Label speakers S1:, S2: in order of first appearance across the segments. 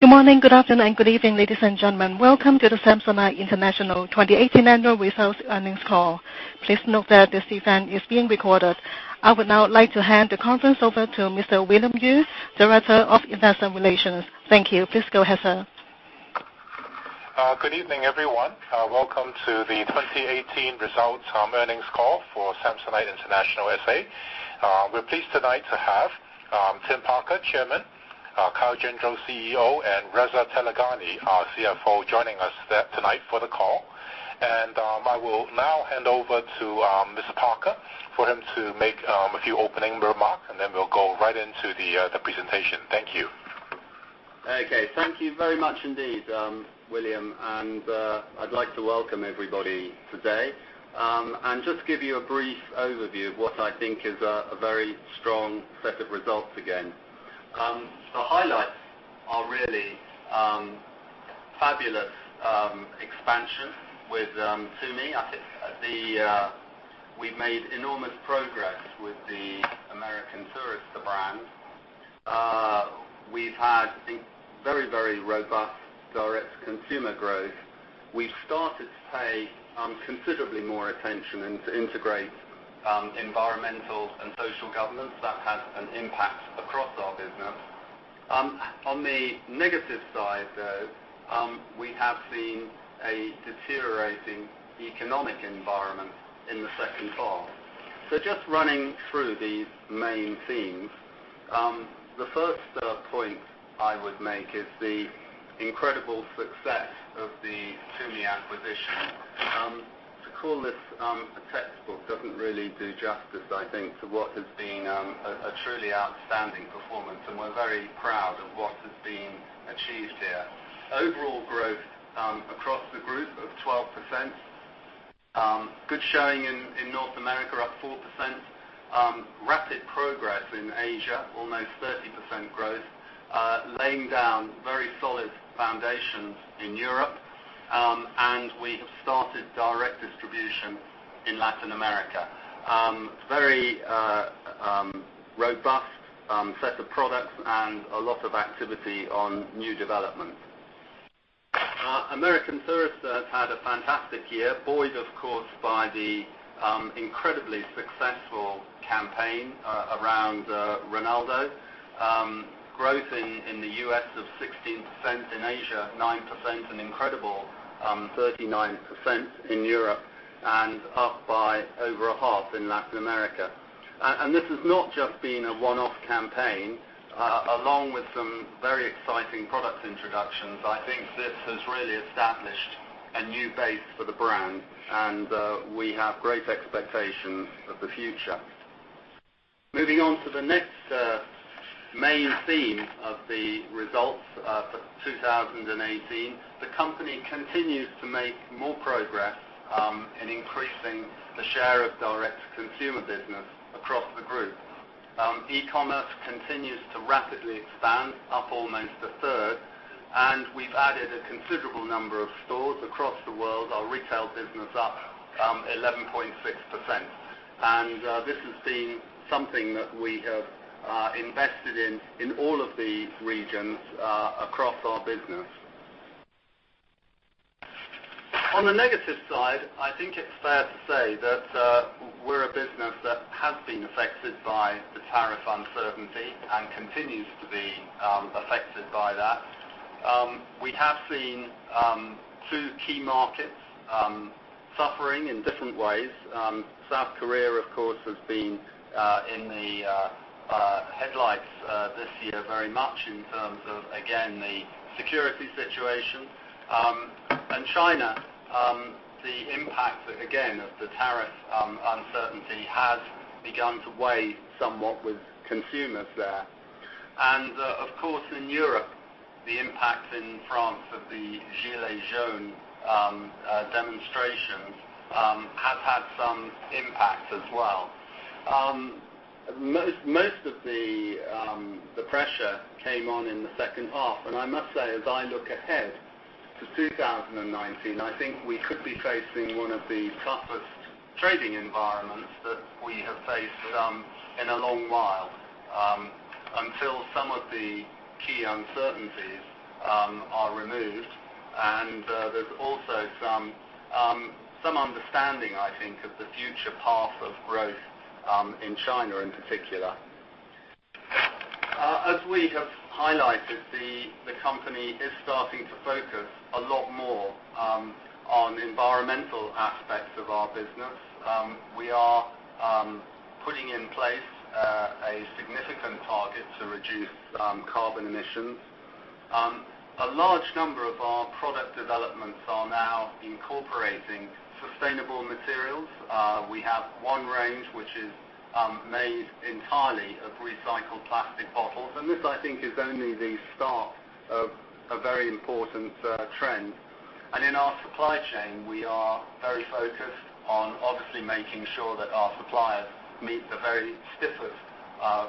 S1: Good morning, good afternoon, good evening, ladies and gentlemen. Welcome to the Samsonite International 2018 annual results earnings call. Please note that this event is being recorded. I would now like to hand the conference over to Mr. William Yue, Director of Investor Relations. Thank you. Please go ahead, sir.
S2: Good evening, everyone. Welcome to the 2018 results earnings call for Samsonite International S.A. We are pleased tonight to have Tim Parker, Chairman, Kyle Gendreau, CEO, and Reza Taleghani, our CFO, joining us tonight for the call. I will now hand over to Mr. Parker for him to make a few opening remarks, and then we will go right into the presentation. Thank you.
S3: Okay. Thank you very much indeed, William. I would like to welcome everybody today, and just give you a brief overview of what I think is a very strong set of results again. The highlights are really fabulous expansion with TUMI. We have made enormous progress with the American Tourister brand. We have had, I think, very robust direct consumer growth. We have started to pay considerably more attention, and to integrate environmental and social governance. That has an impact across our business. On the negative side, though, we have seen a deteriorating economic environment in the second half. Just running through these main themes. The first point I would make is the incredible success of the TUMI acquisition. To call this a textbook doesn't really do justice, I think, to what has been a truly outstanding performance, and we are very proud of what has been achieved here. Overall growth across the group of 12%. Good showing in North America, up 4%. Rapid progress in Asia, almost 30% growth. Laying down very solid foundations in Europe. We have started direct distribution in Latin America. Very robust set of products and a lot of activity on new developments. American Tourister has had a fantastic year, buoyed, of course, by the incredibly successful campaign around Ronaldo. Growth in the U.S. of 16%, in Asia 9%, an incredible 39% in Europe, and up by over a half in Latin America. This has not just been a one-off campaign. Along with some very exciting product introductions, I think this has really established a new base for the brand, and we have great expectations of the future. Moving on to the next main theme of the results for 2018. The company continues to make more progress in increasing the share of direct consumer business across the group. E-commerce continues to rapidly expand, up almost a third, and we've added a considerable number of stores across the world. Our retail business up 11.6%. This has been something that we have invested in all of the regions across our business. On the negative side, I think it's fair to say that we're a business that has been affected by the tariff uncertainty, and continues to be affected by that. We have seen two key markets suffering in different ways. South Korea, of course, has been in the headlines this year very much in terms of, again, the security situation. China, the impact, again, of the tariff uncertainty has begun to weigh somewhat with consumers there. Of course, in Europe, the impact in France of the Gilets Jaunes demonstrations has had some impact as well. Most of the pressure came on in the second half, and I must say, as I look ahead to 2019, I think we could be facing one of the toughest trading environments that we have faced in a long while, until some of the key uncertainties are removed. There's also some understanding, I think, of the future path of growth in China in particular. We have highlighted, the company is starting to focus a lot more on environmental aspects of our business. We are putting in place a significant target to reduce carbon emissions. A large number of our product developments are now incorporating sustainable materials. We have one range which is made entirely of recycled plastic bottles. This, I think, is only the start of a very important trend. In our supply chain, we are very focused on obviously making sure that our suppliers meet the very stiffest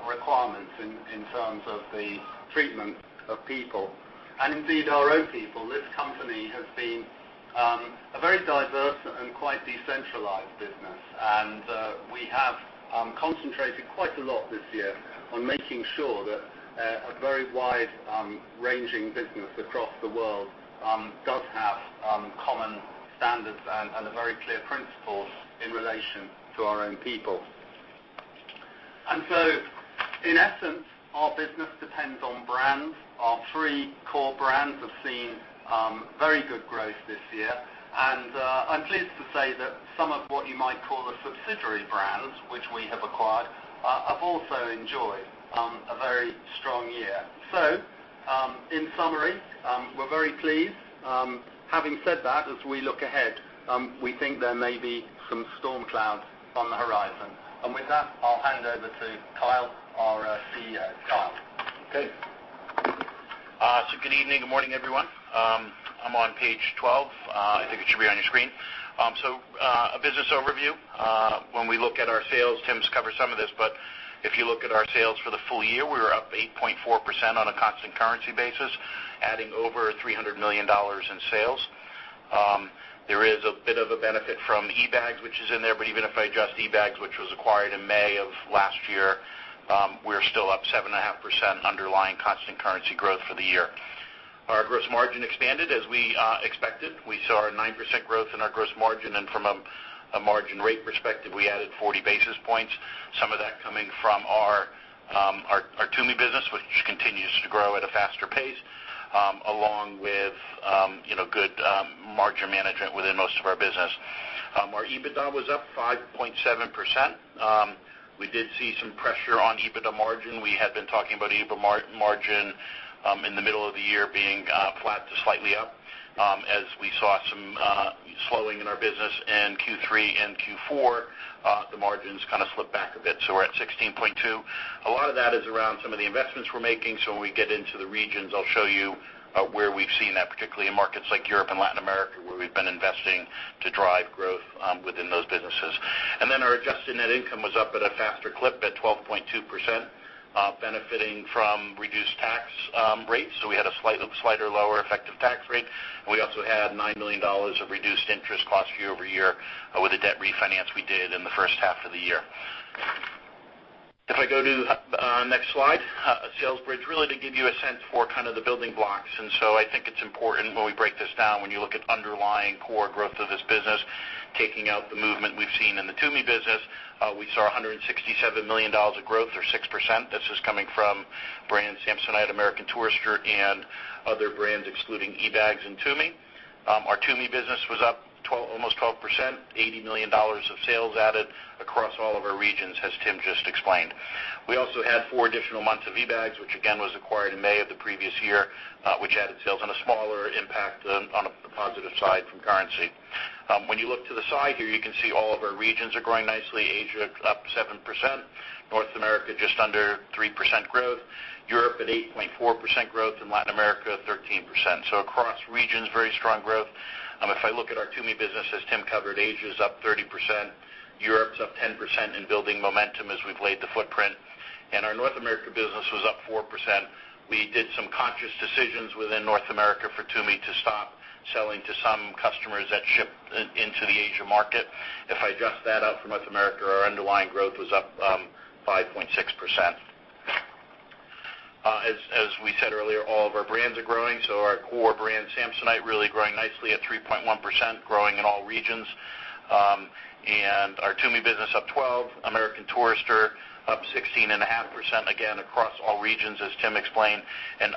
S3: requirements in terms of the treatment of people. Indeed, our own people. This company has been a very diverse and quite decentralized business. We have concentrated quite a lot this year on making sure that a very wide-ranging business across the world does have common standards and very clear principles in relation to our own people. In essence, our business depends on brands. Our three core brands have seen very good growth this year, and I'm pleased to say that some of what you might call the subsidiary brands, which we have acquired, have also enjoyed a very strong year. In summary, we're very pleased. Having said that, as we look ahead, we think there may be some storm clouds on the horizon. With that, I'll hand over to Kyle, our CEO. Kyle?
S4: Good evening, good morning, everyone. I'm on page 12. I think it should be on your screen. A business overview. When we look at our sales, Tim's covered some of this, but if you look at our sales for the full year, we were up 8.4% on a constant currency basis, adding over $300 million in sales. There is a bit of a benefit from eBags, which is in there, but even if I adjust eBags, which was acquired in May of last year, we're still up 7.5% underlying constant currency growth for the year. Our gross margin expanded as we expected. We saw a 9% growth in our gross margin. From a margin rate perspective, we added 40 basis points. Some of that coming from our TUMI business, which continues to grow at a faster pace, along with good margin management within most of our business. Our EBITDA was up 5.7%. We did see some pressure on EBITDA margin. We had been talking about EBITDA margin in the middle of the year being flat to slightly up. As we saw some slowing in our business in Q3 and Q4, the margins kind of slipped back a bit. We're at 16.2%. A lot of that is around some of the investments we're making. When we get into the regions, I'll show you where we've seen that, particularly in markets like Europe and Latin America, where we've been investing to drive growth within those businesses. Our adjusted net income was up at a faster clip at 12.2%, benefiting from reduced tax rates. We had a slighter lower effective tax rate, and we also had $9 million of reduced interest costs year-over-year with the debt refinance we did in the first half of the year. If I go to the next slide, a sales bridge, really to give you a sense for the building blocks. I think it's important when we break this down, when you look at underlying core growth of this business, taking out the movement we've seen in the TUMI business. We saw $167 million of growth or 6%. This is coming from brands Samsonite, American Tourister, and other brands, excluding eBags and TUMI. Our TUMI business was up almost 12%, $80 million of sales added across all of our regions, as Tim just explained. We also had four additional months of eBags, which again, was acquired in May of the previous year, which added sales on a smaller impact on a positive side from currency. When you look to the side here, you can see all of our regions are growing nicely. Asia up 7%, North America just under 3% growth, Europe at 8.4% growth, and Latin America 13%. Across regions, very strong growth. If I look at our TUMI business, as Tim covered, Asia is up 30%, Europe is up 10% in building momentum as we've laid the footprint, and our North America business was up 4%. We did some conscious decisions within North America for TUMI to stop selling to some customers that ship into the Asia market. If I adjust that up for North America, our underlying growth was up 5.6%. As we said earlier, all of our brands are growing. Our core brand, Samsonite, really growing nicely at 3.1%, growing in all regions. Our TUMI business up 12%, American Tourister up 16.5%, again, across all regions, as Tim explained.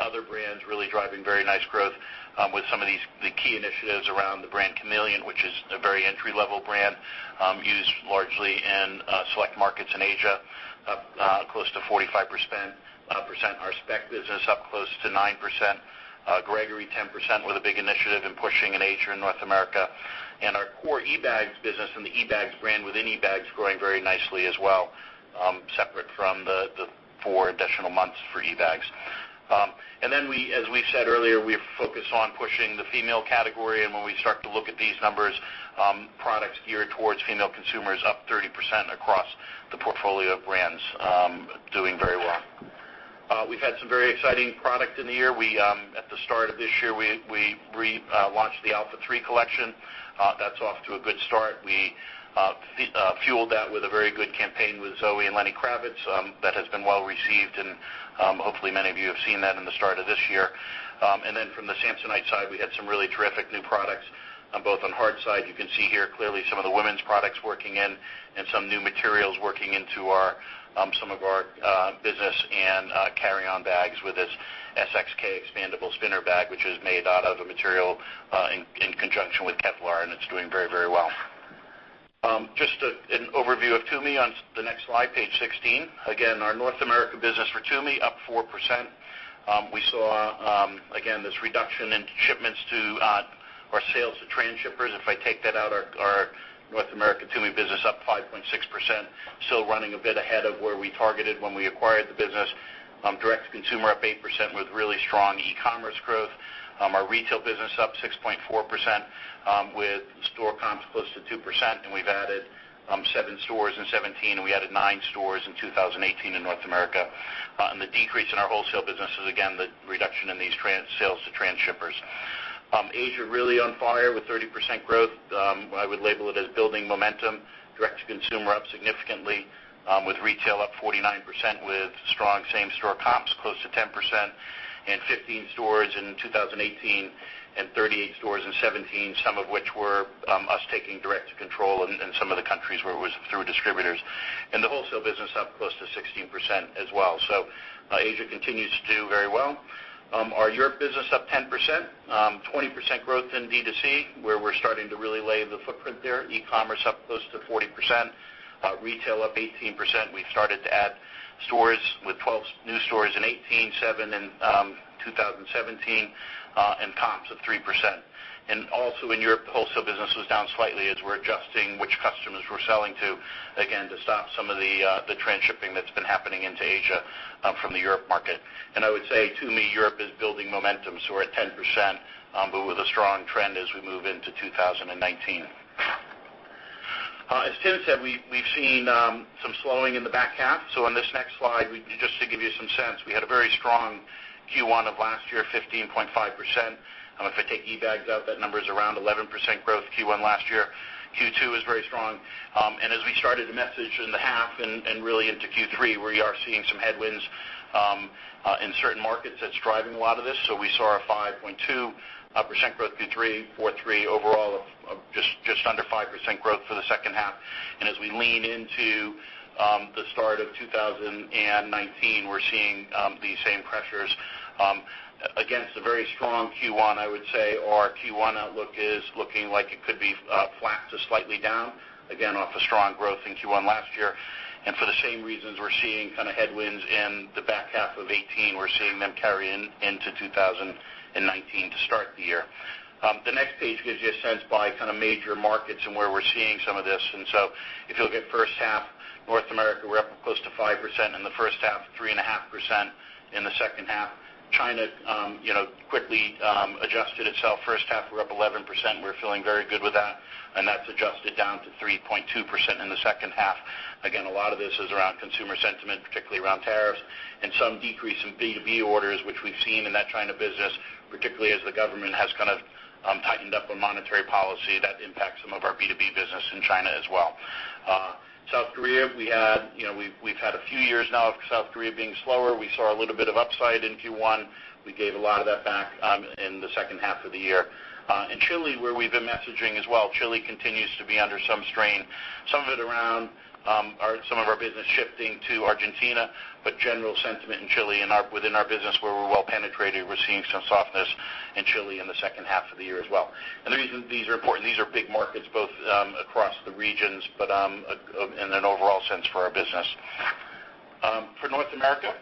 S4: Other brands really driving very nice growth with some of these key initiatives around the brand Kamiliant, which is a very entry-level brand, used largely in select markets in Asia, up close to 45%. Our Speck business up close to 9%, Gregory 10%, with a big initiative in pushing in Asia and North America. Our core eBags business and the eBags brand within eBags growing very nicely as well, separate from the four additional months for eBags. As we said earlier, we have focused on pushing the female category. When we start to look at these numbers, products geared towards female consumers up 30% across the portfolio brands, doing very well. We've had some very exciting product in the year. At the start of this year, we relaunched the Alpha 3 collection. That's off to a good start. We fueled that with a very good campaign with Zoë and Lenny Kravitz. That has been well received, and hopefully many of you have seen that in the start of this year. From the Samsonite side, we had some really terrific new products, both on the hard side. You can see here clearly some of the women's products working in and some new materials working into some of our business and carry-on bags with this SXK Expandable Spinner bag, which is made out of a material in conjunction with Kevlar, and it's doing very well. Just an overview of TUMI on the next slide, page 16. Again, our North America business for TUMI up 4%. We saw, again, this reduction in shipments to our sales to trans-shippers. If I take that out, our North America TUMI business is up 5.6%, still running a bit ahead of where we targeted when we acquired the business. Direct-to-consumer up 8% with really strong e-commerce growth. Our retail business up 6.4% with same-store comps close to 2%. We've added seven stores in 2017, and we added nine stores in 2018 in North America. The decrease in our wholesale business is again, the reduction in these trans-sales to trans-shippers. Asia really on fire with 30% growth. I would label it as building momentum. Direct-to-consumer up significantly, with retail up 49% with strong same-store comps close to 10%. 15 stores in 2018 and 38 stores in 2017, some of which were us taking direct control in some of the countries where it was through distributors. The wholesale business up close to 16% as well. Asia continues to do very well. Our Europe business up 10%, 20% growth in D2C, where we're starting to really lay the footprint there. E-commerce up close to 40%, retail up 18%. We've started to add stores with 12 new stores in 2018, seven in 2017, and comps of 3%. Also in Europe, wholesale business was down slightly as we're adjusting which customers we're selling to, again, to stop some of the trans-shipping that's been happening into Asia, from the Europe market. I would say TUMI Europe is building momentum, so we're at 10%, but with a strong trend as we move into 2019. As Tim said, we've seen some slowing in the back half. On this next slide, just to give you some sense, we had a very strong Q1 of last year, 15.5%. If I take eBags out, that number's around 11% growth Q1 last year. Q2 was very strong. As we started to message in the half and really into Q3, we are seeing some headwinds in certain markets that's driving a lot of this. We saw a 5.2% growth Q3, 4.3% overall of just under 5% growth for the second half. As we lean into the start of 2019, we're seeing these same pressures. Against a very strong Q1, I would say, our Q1 outlook is looking like it could be flat to slightly down, again, off a strong growth in Q1 last year. For the same reasons we're seeing headwinds in the back half of 2018, we're seeing them carry into 2019 to start the year. The next page gives you a sense by major markets and where we're seeing some of this. If you look at first half, North America, we're up close to 5% in the first half, 3.5% in the second half. China quickly adjusted itself. First half, we're up 11%. We're feeling very good with that. That's adjusted down to 3.2% in the second half. Again, a lot of this is around consumer sentiment, particularly around tariffs and some decrease in B2B orders, which we've seen in that China business, particularly as the government has tightened up a monetary policy that impacts some of our B2B business in China as well. South Korea, we've had a few years now of South Korea being slower. We saw a little bit of upside in Q1. We gave a lot of that back in the second half of the year. In Chile, where we've been messaging as well, Chile continues to be under some strain, some of it around some of our business shifting to Argentina, but general sentiment in Chile within our business where we're well penetrated, we're seeing some softness in Chile in the second half of the year as well. The reason these are important, these are big markets, both across the regions, but in an overall sense for our business. For North America,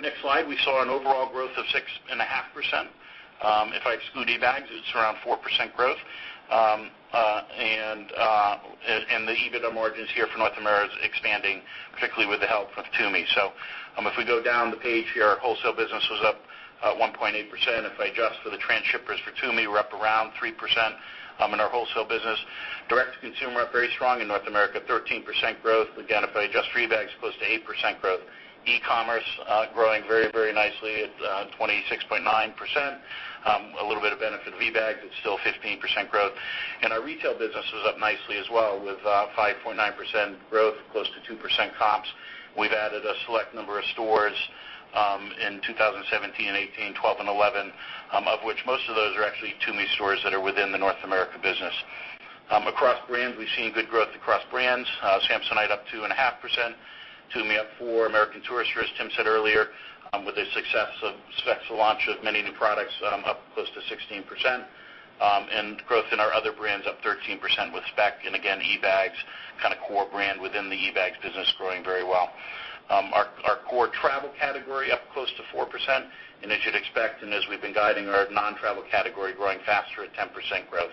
S4: next slide, we saw an overall growth of 6.5%. If I exclude eBags, it's around 4% growth. The EBITDA margins here for North America is expanding, particularly with the help of TUMI. If we go down the page here, our wholesale business was up 1.8%. If I adjust for the trans-shippers for TUMI, we're up around 3% in our wholesale business. Direct-to-consumer up very strong in North America, 13% growth. Again, if I adjust for eBags, close to 8% growth. E-commerce growing very nicely at 26.9%. A little bit of benefit of eBags, but still 15% growth. Our retail business was up nicely as well, with 5.9% growth, close to 2% comps. We've added a select number of stores in 2017 and 2018, 12 and 11, of which most of those are actually TUMI stores that are within the North America business. Across brands, we've seen good growth across brands. Samsonite up 2.5%, TUMI up 4%. American Tourister, as Tim said earlier, with the success of Speck's launch of many new products, up close to 16%, and growth in our other brands up 13% with Speck and again, eBags, core brand within the eBags business growing very well. Our core travel category up close to 4%, and as you'd expect and as we've been guiding our non-travel category growing faster at 10% growth.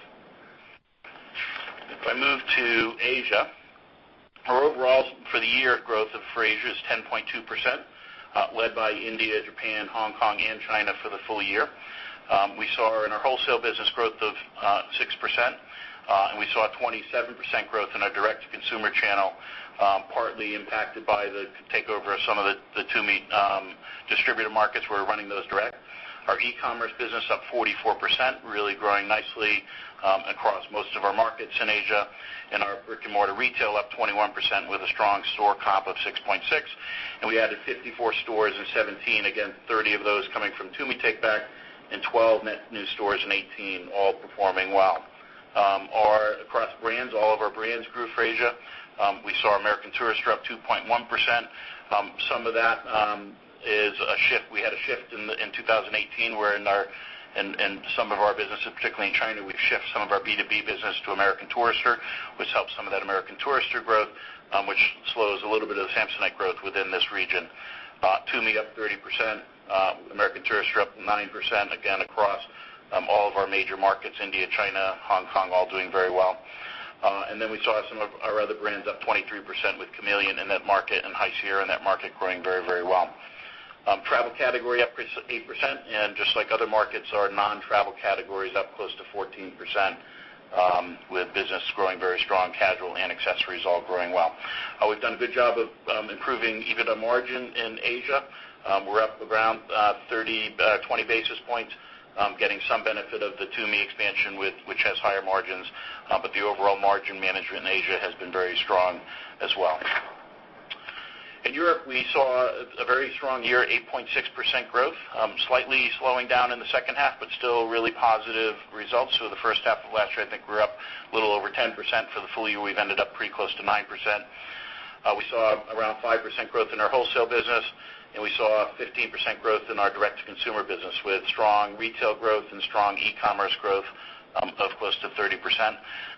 S4: If I move to Asia, our overall for the year growth of Asia is 10.2%, led by India, Japan, Hong Kong, and China for the full year. We saw in our wholesale business growth of 6%, we saw a 27% growth in our direct-to-consumer channel, partly impacted by the takeover of some of the TUMI distributor markets. We're running those direct. Our e-commerce business up 44%, really growing nicely across most of our markets in Asia. Our brick-and-mortar retail up 21% with a strong store comp of 6.6%. We added 54 stores in 2017, again, 30 of those coming from TUMI takeback and 12 net new stores in 2018, all performing well. Across brands, all of our brands grew Asia. We saw American Tourister up 2.1%. Some of that is a shift. We had a shift in 2018 where in some of our business, particularly in China, we've shifted some of our B2B business to American Tourister, which helps some of that American Tourister growth, which slows a little bit of the Samsonite growth within this region. TUMI up 30%, American Tourister up 9%, again, across all of our major markets, India, China, Hong Kong, all doing very well. We saw some of our other brands up 23% with Kamiliant in that market and High Sierra in that market growing very well. Travel category up 8%, and just like other markets, our non-travel category is up close to 14%, with business growing very strong, casual and accessories all growing well. We've done a good job of improving EBITDA margin in Asia. We're up around 20 basis points, getting some benefit of the TUMI expansion, which has higher margins. The overall margin management in Asia has been very strong as well. In Europe, we saw a very strong year, 8.6% growth, slightly slowing down in the second half, but still really positive results. The first half of last year, I think we were up a little over 10% for the full year. We've ended up pretty close to 9%. We saw around 5% growth in our wholesale business, and we saw a 15% growth in our direct-to-consumer business, with strong retail growth and strong e-commerce growth of close to 30%.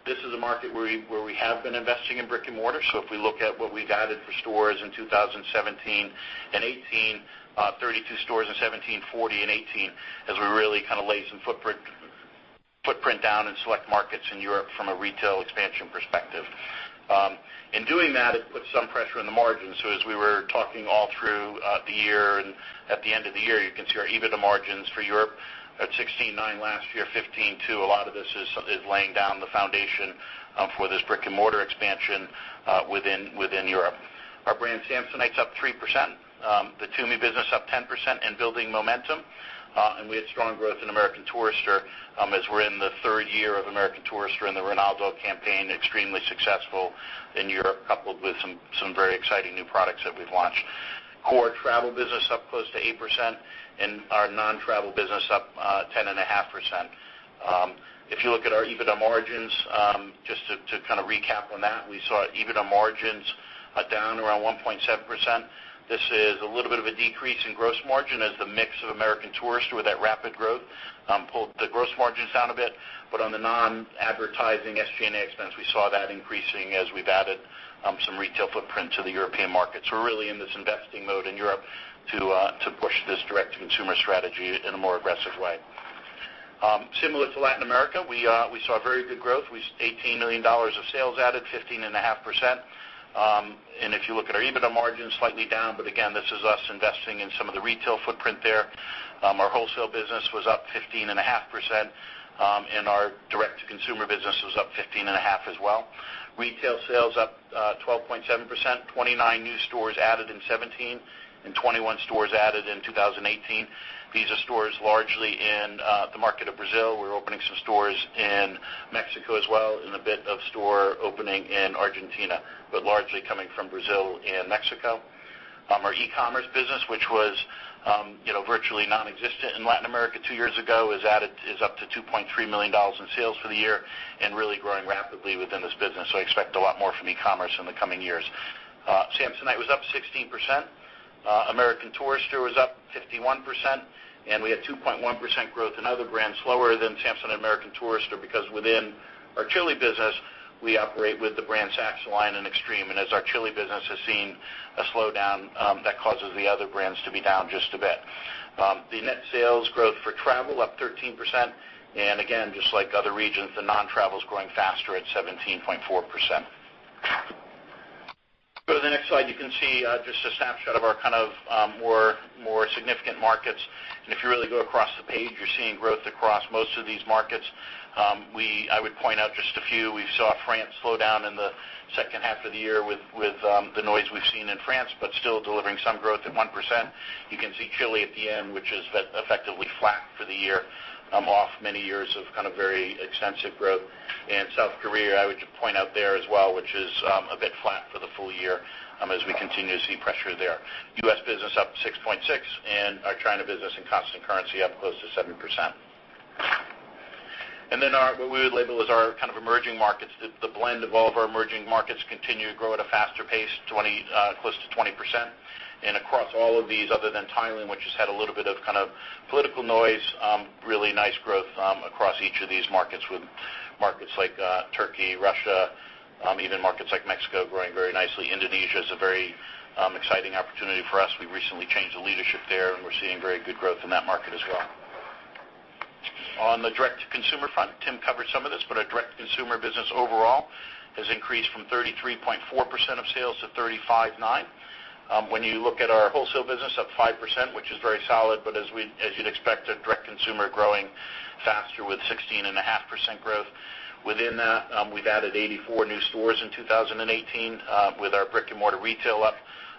S4: This is a market where we have been investing in brick and mortar. If we look at what we've added for stores in 2017 and 2018, 32 stores in 2017, 40 in 2018, as we really lay some footprint down in select markets in Europe from a retail expansion perspective. In doing that, it put some pressure on the margins. As we were talking all through the year and at the end of the year, you can see our EBITDA margins for Europe at 16.9% last year, 15.2%. A lot of this is laying down the foundation for this brick and mortar expansion within Europe. Our brand Samsonite is up 3%, the TUMI business up 10% and building momentum, and we had strong growth in American Tourister as we're in the third year of American Tourister and the Ronaldo campaign, extremely successful in Europe, coupled with some very exciting new products that we've launched. Core travel business up close to 8% and our non-travel business up 10.5%. If you look at our EBITDA margins, just to recap on that, we saw EBITDA margins down around 1.7%. This is a little bit of a decrease in gross margin as the mix of American Tourister with that rapid growth pulled the gross margins down a bit. On the non-advertising SG&A expense, we saw that increasing as we've added some retail footprint to the European markets. We're really in this investing mode in Europe to push this direct-to-consumer strategy in a more aggressive way. Similar to Latin America, we saw very good growth. We saw $18 million of sales added, 15.5%. If you look at our EBITDA margins, slightly down, but again, this is us investing in some of the retail footprint there. Our wholesale business was up 15.5%, and our direct-to-consumer business was up 15.5% as well. Retail sales up 12.7%, 29 new stores added in 2017 and 21 stores added in 2018. These are stores largely in the market of Brazil. We're opening some stores in Mexico as well and a bit of store opening in Argentina, but largely coming from Brazil and Mexico. Our e-commerce business, which was virtually nonexistent in Latin America two years ago, is up to $2.3 million in sales for the year and really growing rapidly within this business. I expect a lot more from e-commerce in the coming years. Samsonite was up 16%. American Tourister was up 51%, and we had 2.1% growth in other brands, slower than Samsonite and American Tourister because within our Chile business, we operate with the brand Saxoline and Xtrem. As our Chile business has seen a slowdown, that causes the other brands to be down just a bit. The net sales growth for travel up 13%, and again, just like other regions, the non-travel is growing faster at 17.4%. Go to the next slide, you can see just a snapshot of our more significant markets. If you really go across the page, you're seeing growth across most of these markets. I would point out just a few. We saw France slow down in the second half of the year with the noise we've seen in France, but still delivering some growth at 1%. You can see Chile at the end, which is effectively flat for the year off many years of very extensive growth. South Korea, I would point out there as well, which is a bit flat for the full year as we continue to see pressure there. U.S. business up 6.6% and our China business in constant currency up close to 7%. What we would label as our emerging markets, the blend of all of our emerging markets continue to grow at a faster pace, close to 20%. Across all of these, other than Thailand, which has had a little bit of political noise, really nice growth across each of these markets with markets like Turkey, Russia, even markets like Mexico growing very nicely. Indonesia is a very exciting opportunity for us. We recently changed the leadership there, and we're seeing very good growth in that market as well. On the direct-to-consumer front, Tim covered some of this, but our direct-to-consumer business overall has increased from 33.4% of sales to 35.9%. When you look at our wholesale business, up 5%, which is very solid, but as you'd expect, our direct-to-consumer growing faster with 16.5% growth. Within that, we've added 84 new stores in 2018 with our brick-and-mortar retail up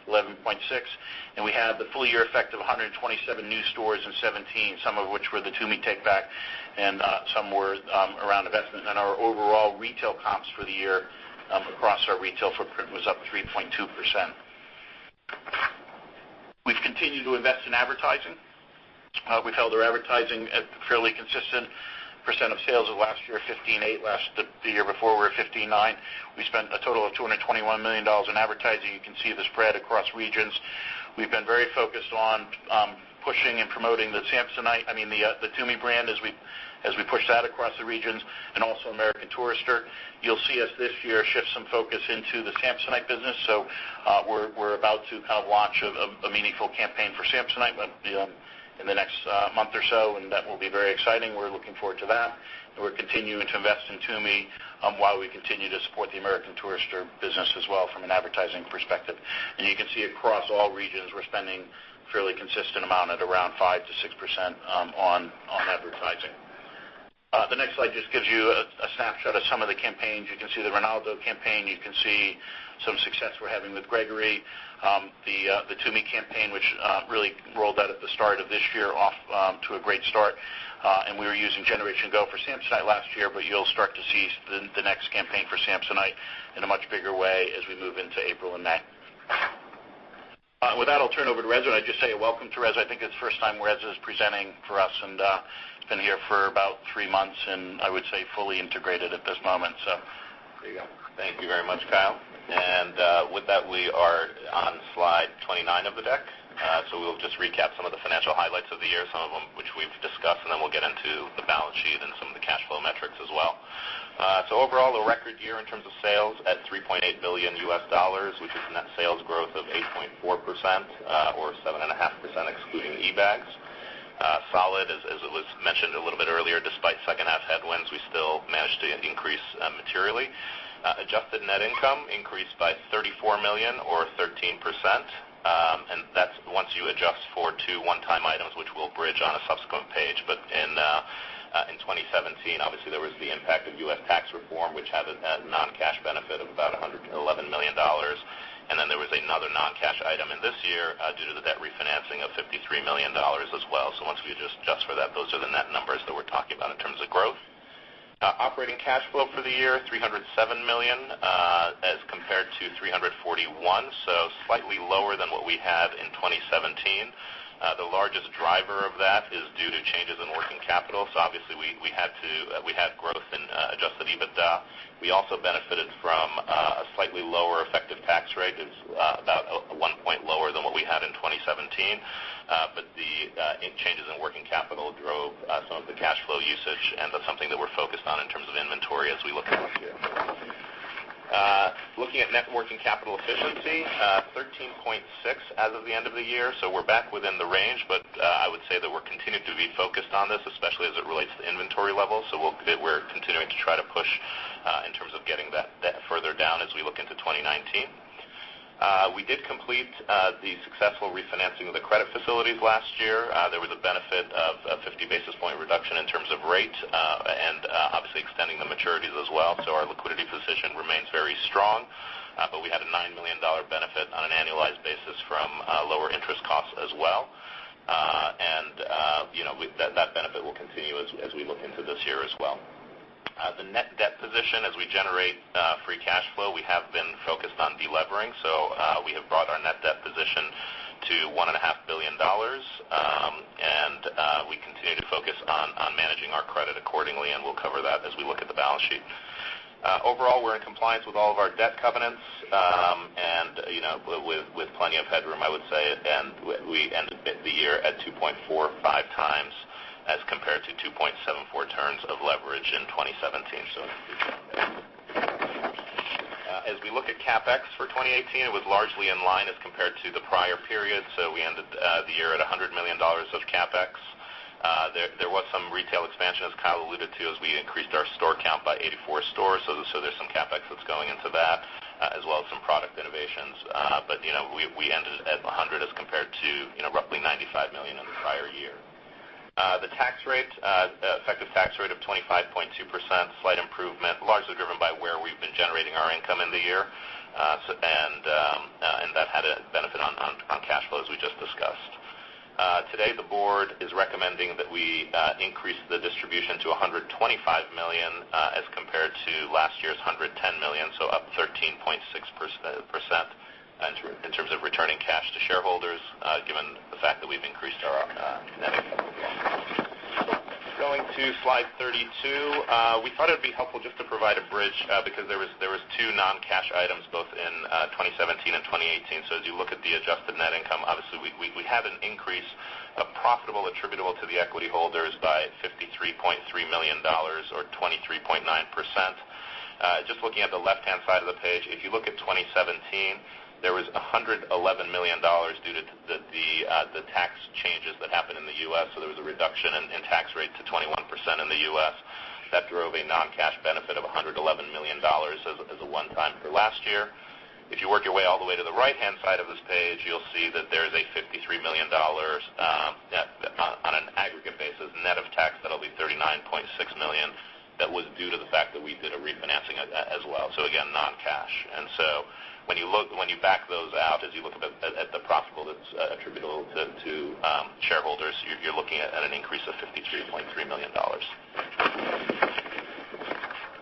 S4: 11.6%. We have the full year effect of 127 new stores in 2017, some of which were the TUMI takeback and some were around investment. Our overall retail comps for the year across our retail footprint was up 3.2%. We've continued to invest in advertising. We've held our advertising at a fairly consistent percent of sales of last year, 15.8%. The year before, we were 15.9%. We spent a total of $221 million in advertising. You can see the spread across regions. We've been very focused on pushing and promoting the TUMI brand as we push that across the regions and also American Tourister. You'll see us this year shift some focus into the Samsonite business. We're about to launch a meaningful campaign for Samsonite in the next month or so, and that will be very exciting. We're looking forward to that. We're continuing to invest in TUMI while we continue to support the American Tourister business as well from an advertising perspective. You can see across all regions, we're spending a fairly consistent amount at around 5%-6% on advertising. The next slide just gives you a snapshot of some of the campaigns. You can see the Ronaldo campaign, you can see some success we're having with Gregory, the TUMI campaign, which really rolled out at the start of this year off to a great start. We were using Generation Go for Samsonite last year, but you'll start to see the next campaign for Samsonite in a much bigger way as we move into April and May. With that, I'll turn over to Reza. I'd just say welcome to Reza. I think it's the first time Reza is presenting for us and been here for about three months, and I would say fully integrated at this moment. There you go.
S5: Thank you very much, Kyle. With that, we are on slide 29 of the deck. We'll just recap some of the financial highlights of the year, some of them which we've discussed, and then we'll get into the balance sheet and some of the cash flow metrics as well. Overall, a record year in terms of sales at $3.8 billion, which is net sales growth of 8.4%, or 7.5% excluding eBags. Solid, as it was mentioned a little bit earlier, despite second half headwinds, we still managed to increase materially. Adjusted net income increased by $34 million or 13%, and that's once you adjust for two one-time items, which we'll bridge on a subsequent page. In 2017, obviously there was the impact of U.S. tax reform, which had a non-cash benefit of about $111 million. There was another non-cash item in this year due to the debt refinancing of $53 million as well. Once we adjust for that, those are the net numbers that we're talking about in terms of growth. Operating cash flow for the year, $307 million as compared to $341 million, slightly lower than what we had in 2017. The largest driver of that is due to changes in working capital. Obviously we had growth in adjusted EBITDA. We also benefited from a slightly lower effective tax rate. It was about one point lower than what we had in 2017. The changes in working capital drove some of the cash flow usage, and that's something that we're focused on in terms of inventory as we look forward here. Looking at net working capital efficiency, 13.6% as of the end of the year, we're back within the range. I would say that we're continuing to be focused on this, especially as it relates to inventory levels. We're continuing to try to push in terms of getting that further down as we look into 2019. We did complete the successful refinancing of the credit facilities last year. There was a benefit of a 50 basis point reduction in terms of rate and obviously extending the maturities as well. Our liquidity position remains very strong. We had a $9 million benefit on an annualized basis from lower interest costs as well. That benefit will continue as we look into this year as well. The net debt position as we generate free cash flow, we have been focused on de-levering. We have brought our net debt position to $1.5 billion. We continue to focus on managing our credit accordingly, and we'll cover that as we look at the balance sheet. Overall, we're in compliance with all of our debt covenants, and with plenty of headroom, I would say, and we ended the year at 2.45 times as compared to 2.74 turns of leverage in 2017. A good year there. As we look at CapEx for 2018, it was largely in line as compared to the prior period. We ended the year at $100 million of CapEx. There was some retail expansion, as Kyle alluded to, as we increased our store count by 84 stores. There's some CapEx that's going into that, as well as some product innovations. We ended at $100 million as compared to roughly $95 million in the prior year. The effective tax rate of 25.2%, slight improvement, largely driven by where we've been generating our income in the year. That had a benefit on cash flow, as we just discussed. Today, the board is recommending that we increase the distribution to $125 million as compared to last year's $110 million, up 13.6% in terms of returning cash to shareholders, given the fact that we've increased our net income. Going to slide 32, we thought it would be helpful just to provide a bridge because there were two non-cash items both in 2017 and 2018. As you look at the adjusted net income, obviously we have an increase of profit attributable to the equity holders by $53.3 million or 23.9%. Just looking at the left-hand side of the page, if you look at 2017, there was $111 million due to the tax changes that happened in the U.S. There was a reduction in tax rate to 21% in the U.S. That drove a non-cash benefit of $111 million as a one-time for last year. If you work your way all the way to the right-hand side of this page, you'll see that there is a $53 million on an aggregate basis, net of tax, that'll be $39.6 million that was due to the fact that we did a refinancing as well. Again, non-cash. When you back those out, as you look at the profit that's attributable to shareholders, you're looking at an increase of $53.3 million.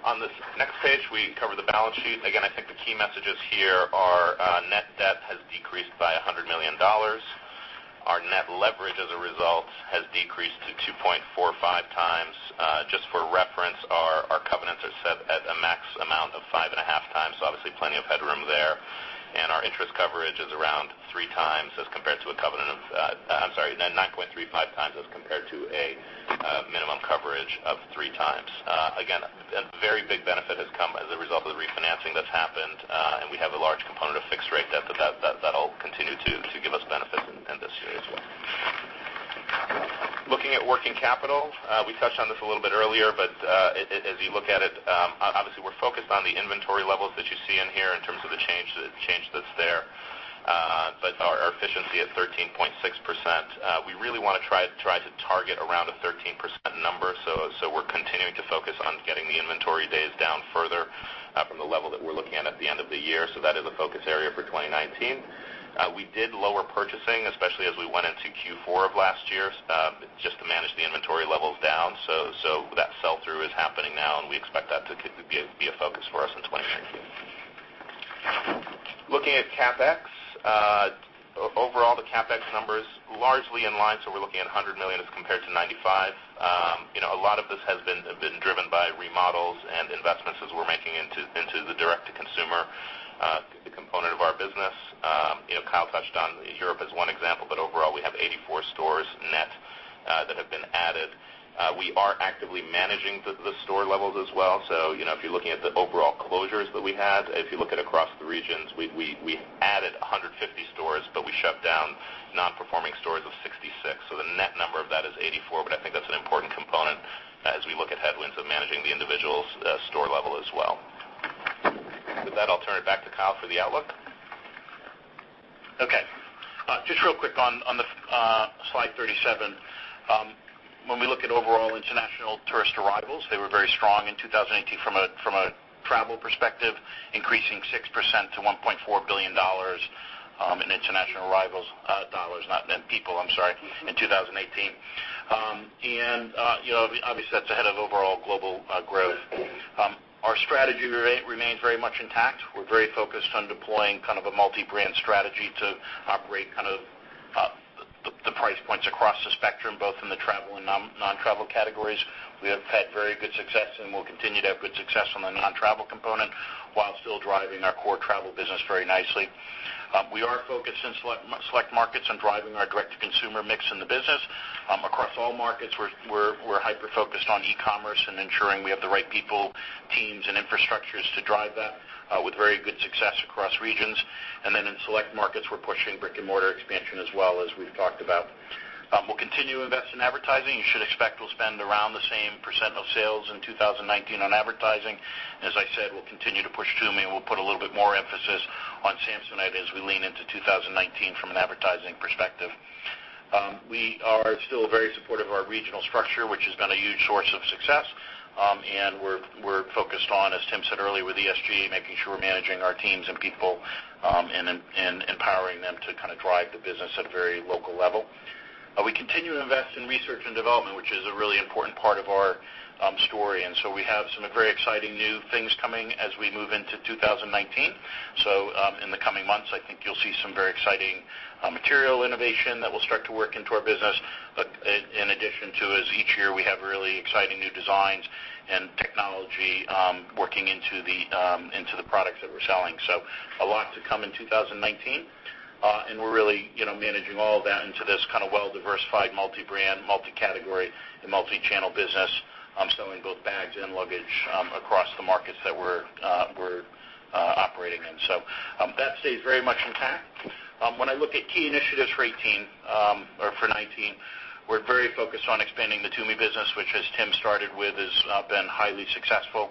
S5: On this next page, we cover the balance sheet. Again, I think the key messages here are net debt has decreased by $100 million. Our net leverage as a result has decreased to 2.45 times. Just for reference, our covenants are set at a max amount of 5.5 times, obviously plenty of headroom there. Our interest coverage is around 3 times as compared to a covenant of-- I'm sorry, 9.35 times as compared to a minimum coverage of 3 times. Again, a very big benefit has come as a result of the refinancing that's happened, and we have a large component of fixed rate debt that'll continue to give us benefits in this year as well. Looking at working capital, we touched on this a little bit earlier, as you look at it, obviously we're focused on the inventory levels that you see in here in terms of the change that's there. Our efficiency at 13.6%, we really want to try to target around a 13% number. We're continuing to focus on getting the inventory days down further from the level that we're looking at the end of the year. That is a focus area for 2019. We did lower purchasing, especially as we went into Q4 of last year, just to manage the inventory levels down. That sell-through is happening now, and we expect that to be a focus for us in 2019. Looking at CapEx. Overall, the CapEx numbers largely in line. We're looking at $100 million as compared to $95 million. A lot of this has been driven by remodels and investments as we're making into the direct-to-consumer component of our business. Kyle touched on Europe as one example, but overall, we have 84 stores net that have been added. We are actively managing the store levels as well. If you're looking at the overall closures that we had, if you look at across the regions, we added 150 stores, but we shut down non-performing stores of 66. The net number of that is 84. I think that's an important component as we look at headwinds of managing the individual store level as well. With that, I'll turn it back to Kyle for the outlook.
S4: Okay. Just real quick on slide 37. When we look at overall international tourist arrivals, they were very strong in 2018 from a travel perspective, increasing 6% to $1.4 billion in international arrivals dollars, not in people, I'm sorry, in 2018. Obviously, that's ahead of overall global growth. Our strategy remains very much intact. We're very focused on deploying a multi-brand strategy to operate the price points across the spectrum, both in the travel and non-travel categories. We have had very good success and will continue to have good success on the non-travel component while still driving our core travel business very nicely. We are focused in select markets on driving our direct-to-consumer mix in the business. Across all markets, we're hyper-focused on e-commerce and ensuring we have the right people, teams, and infrastructures to drive that with very good success across regions. In select markets, we're pushing brick-and-mortar expansion as well, as we've talked about. We'll continue to invest in advertising. You should expect we'll spend around the same percent of sales in 2019 on advertising. As I said, we'll continue to push TUMI, and we'll put a little bit more emphasis on Samsonite as we lean into 2019 from an advertising perspective. We are still very supportive of our regional structure, which has been a huge source of success. We're focused on, as Tim said earlier with ESG, making sure we're managing our teams and people and empowering them to drive the business at a very local level. We continue to invest in research and development, which is a really important part of our story. We have some very exciting new things coming as we move into 2019. In the coming months, I think you'll see some very exciting material innovation that will start to work into our business. In addition to, as each year, we have really exciting new designs and technology working into the products that we're selling. A lot to come in 2019. We're really managing all of that into this well-diversified multi-brand, multi-category, and multi-channel business, selling both bags and luggage across the markets that we're operating in. That stays very much intact. When I look at key initiatives for 2018 or for 2019, we're very focused on expanding the TUMI business, which, as Tim started with, has been highly successful.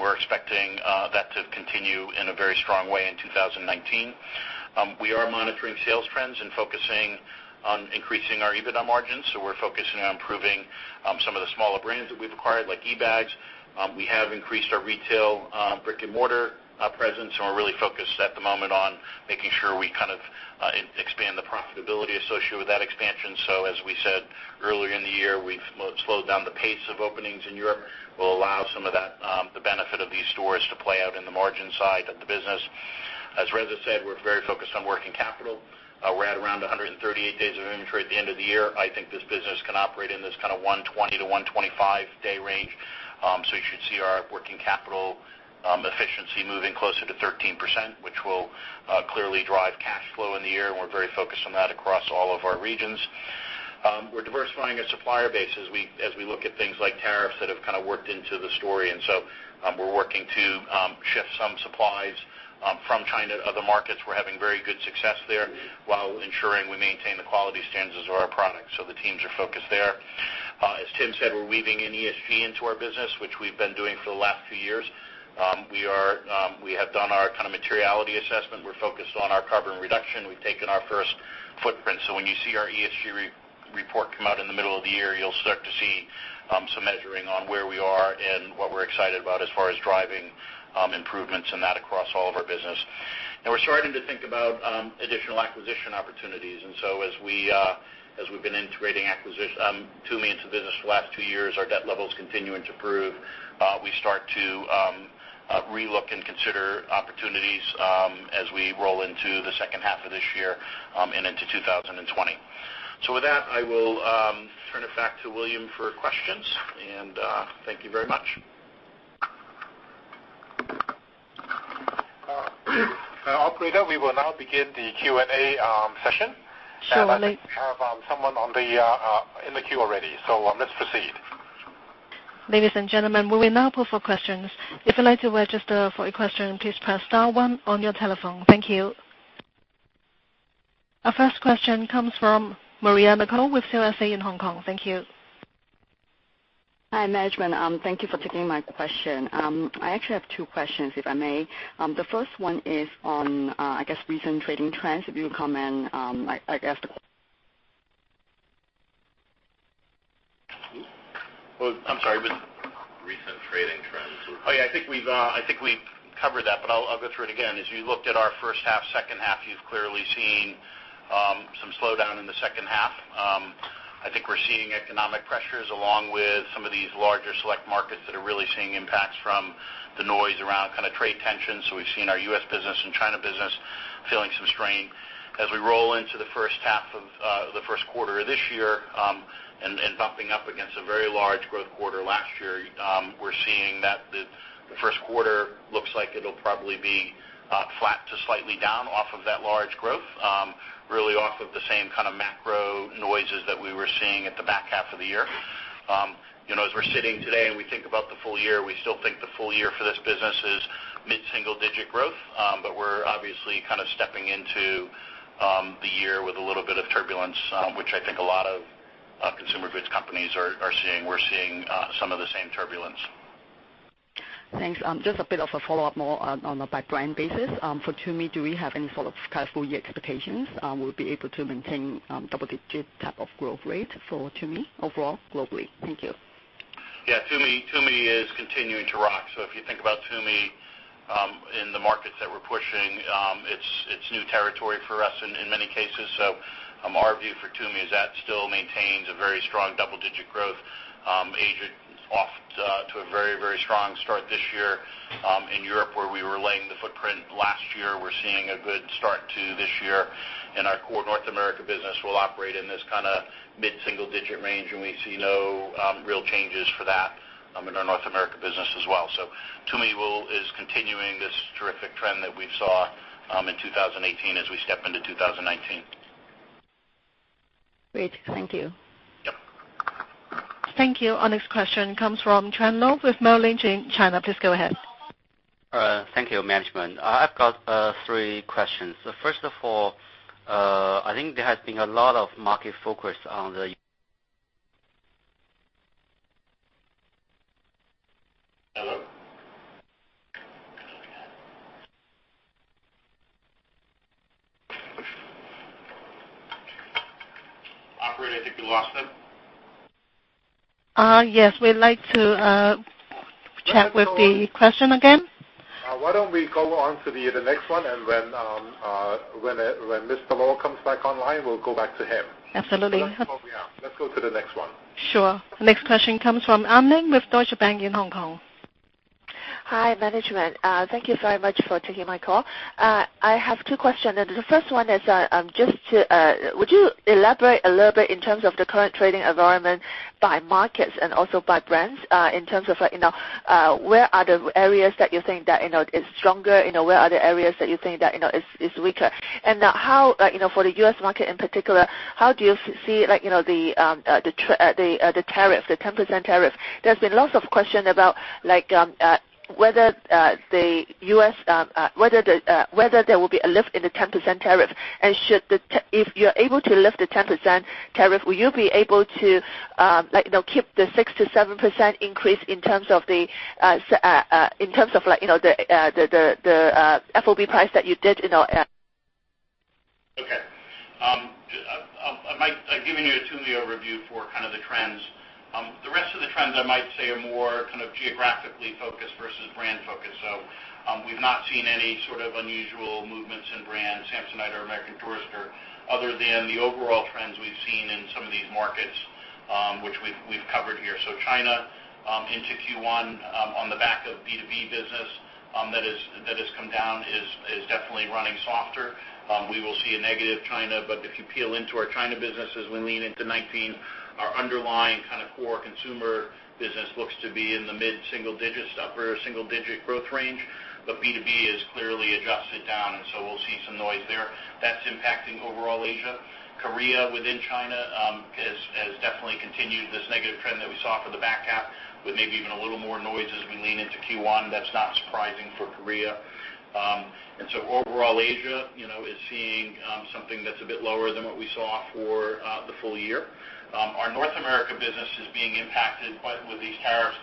S4: We're expecting that to continue in a very strong way in 2019. We are monitoring sales trends and focusing on increasing our EBITDA margins. We're focusing on improving some of the smaller brands that we've acquired, like eBags. We have increased our retail brick-and-mortar presence. We're really focused at the moment on making sure we expand the profitability associated with that expansion. As we said earlier in the year, we've slowed down the pace of openings in Europe. We'll allow some of the benefit of these stores to play out in the margin side of the business. As Reza said, we're very focused on working capital. We're at around 138 days of inventory at the end of the year. I think this business can operate in this 120-125-day range. You should see our working capital efficiency moving closer to 13%, which will clearly drive cash flow in the year. We're very focused on that across all of our regions. We're diversifying our supplier base as we look at things like tariffs that have worked into the story. We're working to shift some supplies from China to other markets. We're having very good success there while ensuring we maintain the quality standards of our products. The teams are focused there. As Tim said, we're weaving in ESG into our business, which we've been doing for the last few years. We have done our materiality assessment. We're focused on our carbon reduction. We've taken our first footprint. When you see our ESG report come out in the middle of the year, you'll start to see some measuring on where we are and what we're excited about as far as driving improvements in that across all of our business. We're starting to think about additional acquisition opportunities. As we've been integrating TUMI into the business for the last two years, our debt levels continuing to improve. We start to re-look and consider opportunities as we roll into the second half of this year and into 2020. With that, I will turn it back to William for questions. Thank you very much.
S2: Operator, we will now begin the Q&A session.
S1: Sure.
S2: I think we have someone in the queue already. Let's proceed.
S1: Ladies and gentlemen, we will now go for questions. If you'd like to register for a question, please press star one on your telephone. Thank you. Our first question comes from Mariana McCall with CLSA in Hong Kong. Thank you.
S6: Hi, management. Thank you for taking my question. I actually have two questions, if I may. The first one is on, I guess, recent trading trends. If you'll comment, I guess.
S4: Well, I'm sorry.
S1: Recent trading trends.
S4: I think we've covered that, but I'll go through it again. As you looked at our first half, second half, you've clearly seen some slowdown in the second half. I think we're seeing economic pressures along with some of these larger select markets that are really seeing impacts from the noise around trade tensions. We've seen our U.S. business and China business feeling some strain. As we roll into the first half of the first quarter this year, and bumping up against a very large growth quarter last year, we're seeing that the first quarter looks like it'll probably be flat to slightly down off of that large growth. Really off of the same kind of macro noises that we were seeing at the back half of the year. As we're sitting today and we think about the full year, we still think the full year for this business is mid-single digit growth. We're obviously stepping into the year with a little bit of turbulence, which I think a lot of consumer goods companies are seeing. We're seeing some of the same turbulence.
S6: Thanks. Just a bit of a follow-up, more on a by-brand basis. For TUMI, do we have any sort of full-year expectations? Will we be able to maintain double-digit type of growth rate for TUMI overall, globally? Thank you.
S4: TUMI is continuing to rock. If you think about TUMI, in the markets that we're pushing, it's new territory for us in many cases. Our view for TUMI is that still maintains a very strong double-digit growth. Asia is off to a very strong start this year. In Europe, where we were laying the footprint last year, we're seeing a good start too this year. Our core North America business will operate in this mid-single digit range, and we see no real changes for that in our North America business as well. TUMI is continuing this terrific trend that we saw in 2018 as we step into 2019.
S6: Great. Thank you.
S4: Yep.
S1: Thank you. Our next question comes from Chen Luo with Merrill Lynch China. Please go ahead.
S7: Thank you, management. I've got three questions. First of all, I think there has been a lot of market focus on the
S4: Hello? Operator, I think we lost him.
S1: Yes, we'd like to check with the question again.
S2: Why don't we go on to the next one, and when this fellow comes back online, we'll go back to him.
S1: Absolutely.
S2: That's where we are. Let's go to the next one.
S1: Sure. The next question comes from Anne Ling with Deutsche Bank in Hong Kong.
S8: Hi, management. Thank you very much for taking my call. I have two questions. The first one is, would you elaborate a little bit in terms of the current trading environment by markets and also by brands, in terms of where are the areas that you think that is stronger? Where are the areas that you think that is weaker? For the U.S. market in particular, how do you see the 10% tariff? There's been lots of questions about whether there will be a lift in the 10% tariff. If you're able to lift the 10% tariff, will you be able to keep the 6%-7% increase in terms of the FOB price that you did in our-
S4: Okay. I've given you a TUMI overview for kind of the trends. The rest of the trends I might say are more geographically focused versus brand focused. We've not seen any sort of unusual movements in brands, Samsonite or American Tourister, other than the overall trends we've seen in some of these markets, which we've covered here. China, into Q1, on the back of B2B business that has come down, is definitely running softer. We will see a negative China, but if you peel into our China business as we lean into 2019, our underlying kind of core consumer business looks to be in the mid-single digits, upper single-digit growth range. B2B has clearly adjusted down, so we'll see some noise there. That's impacting overall Asia. Korea within China has definitely continued this negative trend that we saw for the back half, with maybe even a little more noise as we lean into Q1. That's not surprising for Korea. Overall Asia is seeing something that's a bit lower than what we saw for the full year. Our North America business is being impacted quite with these tariffs,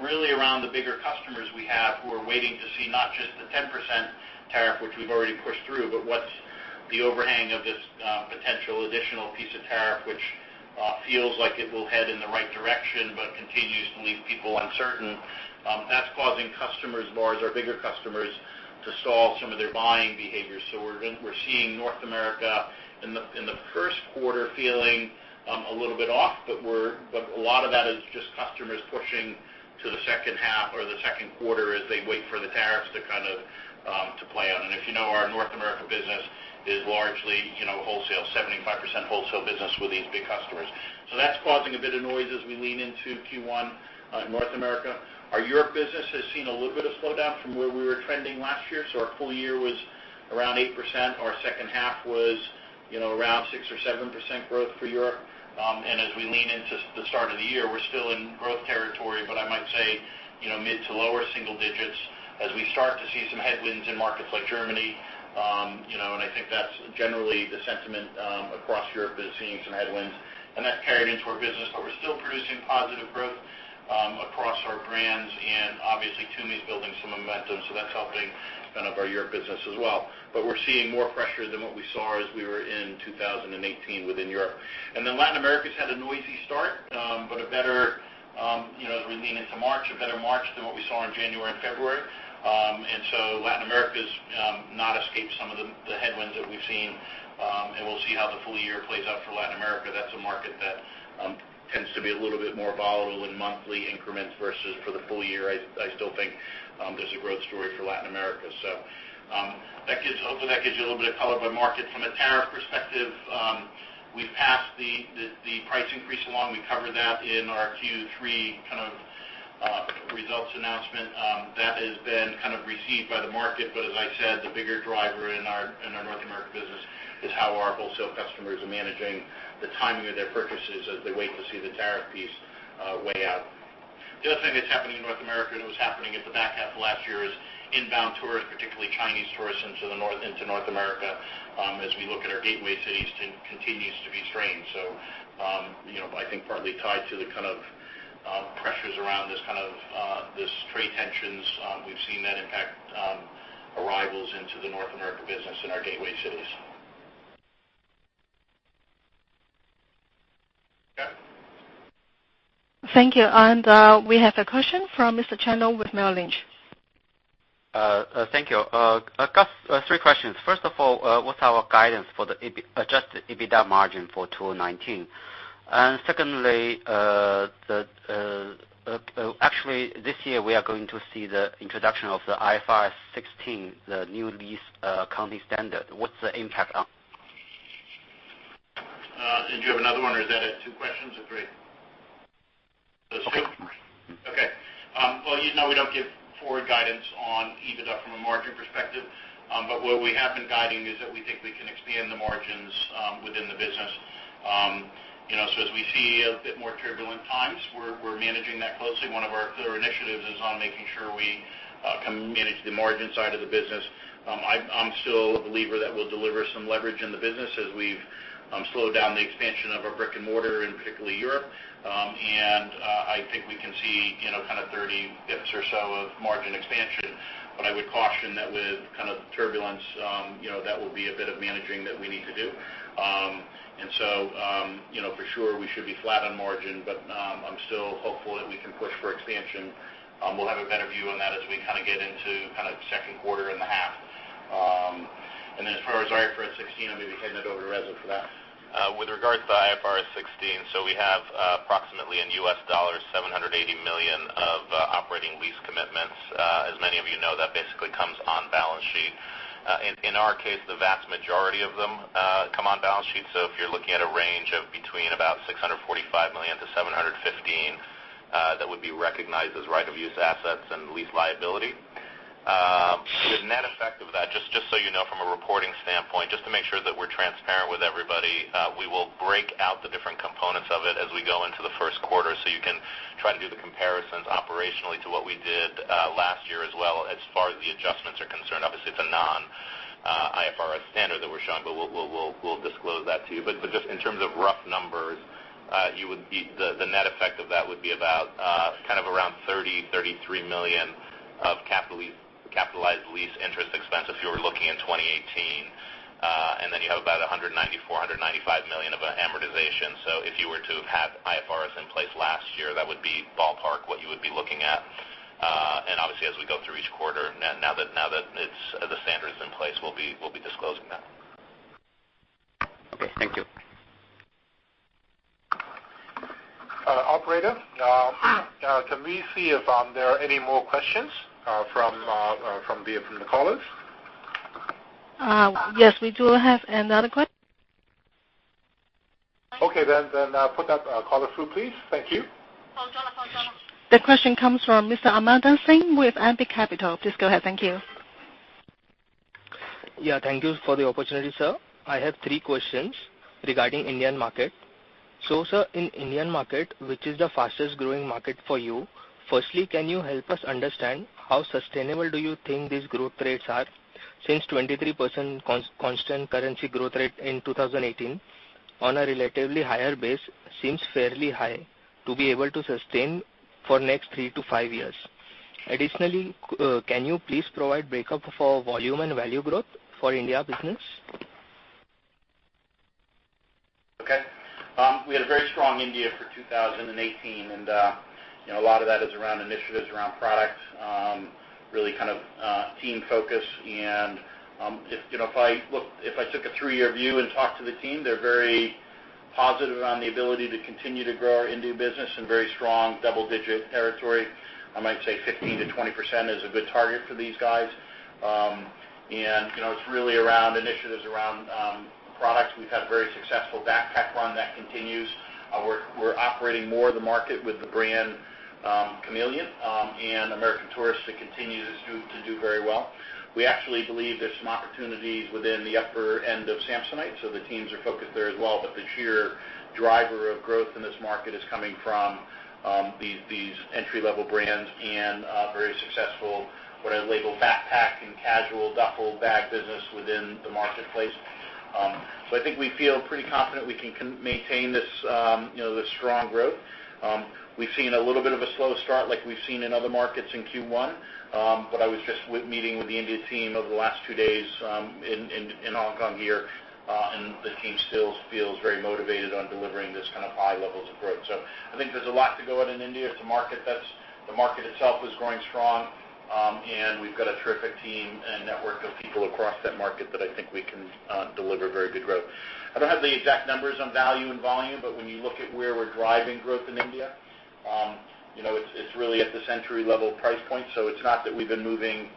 S4: really around the bigger customers we have who are waiting to see not just the 10% tariff, which we've already pushed through, what's the overhang of this potential additional piece of tariff, which feels like it will head in the right direction but continues to leave people uncertain. That's causing customers, more as our bigger customers, to stall some of their buying behaviors. We're seeing North America in the first quarter feeling a little bit off, but a lot of that is just customers pushing to the second half or the second quarter as they wait for the tariffs to play out. If you know our North America business is largely wholesale, 75% wholesale business with these big customers. That's causing a bit of noise as we lean into Q1 in North America. Our Europe business has seen a little bit of slowdown from where we were trending last year. Our full year was around 8%. Our second half was around 6% or 7% growth for Europe. As we lean into the start of the year, we're still in growth territory. I would say mid to lower single digits as we start to see some headwinds in markets like Germany. I think that's generally the sentiment across Europe is seeing some headwinds, and that's carried into our business, but we're still producing positive growth across our brands. Obviously TUMI's building some momentum, that's helping our Europe business as well. We're seeing more pressure than what we saw as we were in 2018 within Europe. Latin America's had a noisy start, but as we lean into March, a better March than what we saw in January and February. Latin America's not escaped some of the headwinds that we've seen. We'll see how the full year plays out for Latin America. That's a market that tends to be a little bit more volatile in monthly increments versus for the full year. I still think there's a growth story for Latin America. Hopefully that gives you a little bit of color by market. From a tariff perspective, we've passed the price increase along. We covered that in our Q3 results announcement. That has been received by the market, but as I said, the bigger driver in our North America business is how our wholesale customers are managing the timing of their purchases as they wait to see the tariff piece play out. The other thing that's happening in North America, and it was happening at the back half of last year, is inbound tourists, particularly Chinese tourists into North America. As we look at our gateway cities, it continues to be strained. I think partly tied to the pressures around these trade tensions. We've seen that impact arrivals into the North America business in our gateway cities.
S1: Thank you. We have a question from Mr. Chen with Merrill Lynch.
S7: Thank you. Gus, three questions. First of all, what's our guidance for the adjusted EBITDA margin for 2019? Secondly, actually this year we are going to see the introduction of the IFRS 16, the new lease accounting standard. What's the impact on?
S4: Do you have another one, or is that it, two questions or three?
S7: Two.
S4: Okay. Well, you know we don't give forward guidance on EBITDA from a margin perspective. What we have been guiding is that we think we can expand the margins within the business. As we see a bit more turbulent times, we're managing that closely. One of our clear initiatives is on making sure we can manage the margin side of the business. I'm still a believer that we'll deliver some leverage in the business as we've slowed down the expansion of our brick and mortar in particularly Europe. I think we can see 30 basis points or so of margin expansion. I would caution that with turbulence, that will be a bit of managing that we need to do. For sure we should be flat on margin, but I'm still hopeful that we can push for expansion. We'll have a better view on that as we get into second quarter and the half. As far as IFRS 16, I'll maybe hand that over to Reza for that.
S5: With regards to IFRS 16. We have approximately in U.S. dollars, $780 million of operating lease commitments. As many of you know, that basically comes on balance sheet. In our case, the vast majority of them come on balance sheet. If you're looking at a range of between about $645 million-$715 million, that would be recognized as right-of-use assets and lease liability. The net effect of that, just so you know from a reporting standpoint, just to make sure that we're transparent with everybody, we will break out the different components of it as we go into the first quarter so you can try and do the comparisons operationally to what we did last year as well as far as the adjustments are concerned. Obviously, it's a non-IFRS standard that we're showing, but we'll disclose that to you. Just in terms of rough numbers, the net effect of that would be about around $30 million-$33 million of capitalized lease interest expense if you were looking in 2018. Then you have about $194 million-$195 million of amortization. If you were to have had IFRS in place last year, that would be ballpark what you would be looking at. Obviously as we go through each quarter, now that the standard's in place, we'll be disclosing that.
S7: Okay, thank you.
S4: Operator. Can we see if there are any more questions from via from the callers?
S1: Yes, we do have another question.
S4: Okay, put that caller through, please. Thank you.
S1: The question comes from Mr. Amandeep Singh with Ambit Capital. Please go ahead. Thank you.
S9: Yeah, thank you for the opportunity, sir. I have three questions regarding Indian market. Sir, in Indian market, which is the fastest-growing market for you, firstly, can you help us understand how sustainable do you think these growth rates are since 23% constant currency growth rate in 2018 on a relatively higher base seems fairly high to be able to sustain for next three to five years? Additionally, can you please provide breakup for volume and value growth for India business?
S4: Okay. We had a very strong India for 2018, a lot of that is around initiatives, around product, really team focus. If I took a three-year view and talked to the team, they're very positive on the ability to continue to grow our India business in very strong double-digit territory. I might say 15%-20% is a good target for these guys. It's really around initiatives around products. We've had very successful backpack run that continues. We're operating more of the market with the brand Kamiliant and American Tourister continues to do very well. We actually believe there's some opportunities within the upper end of Samsonite, so the teams are focused there as well. The sheer driver of growth in this market is coming from these entry-level brands and very successful, what I label backpack and casual duffle bag business within the marketplace. I think we feel pretty confident we can maintain this strong growth. We've seen a little bit of a slow start, like we've seen in other markets in Q1. I was just with meeting with the India team over the last two days in Hong Kong here, the team still feels very motivated on delivering this kind of high levels of growth. I think there's a lot to go at in India. It's a market that the market itself is growing strong. We've got a terrific team and network of people across that market that I think we can deliver very good growth. I don't have the exact numbers on value and volume, but when you look at where we're driving growth in India, it's really at this entry-level price point. It's not that we've been moving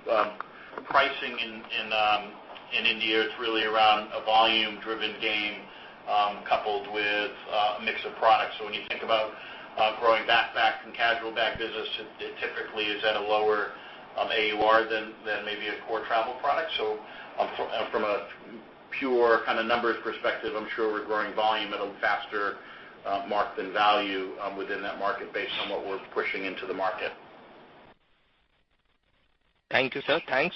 S4: pricing in India, it's really around a volume-driven gain coupled with a mix of products. When you think about growing backpack and casual bag business, it typically is at a lower AUR than maybe a core travel product. From a pure kind of numbers perspective, I'm sure we're growing volume at a faster mark than value within that market based on what we're pushing into the market.
S9: Thank you, sir. Thanks.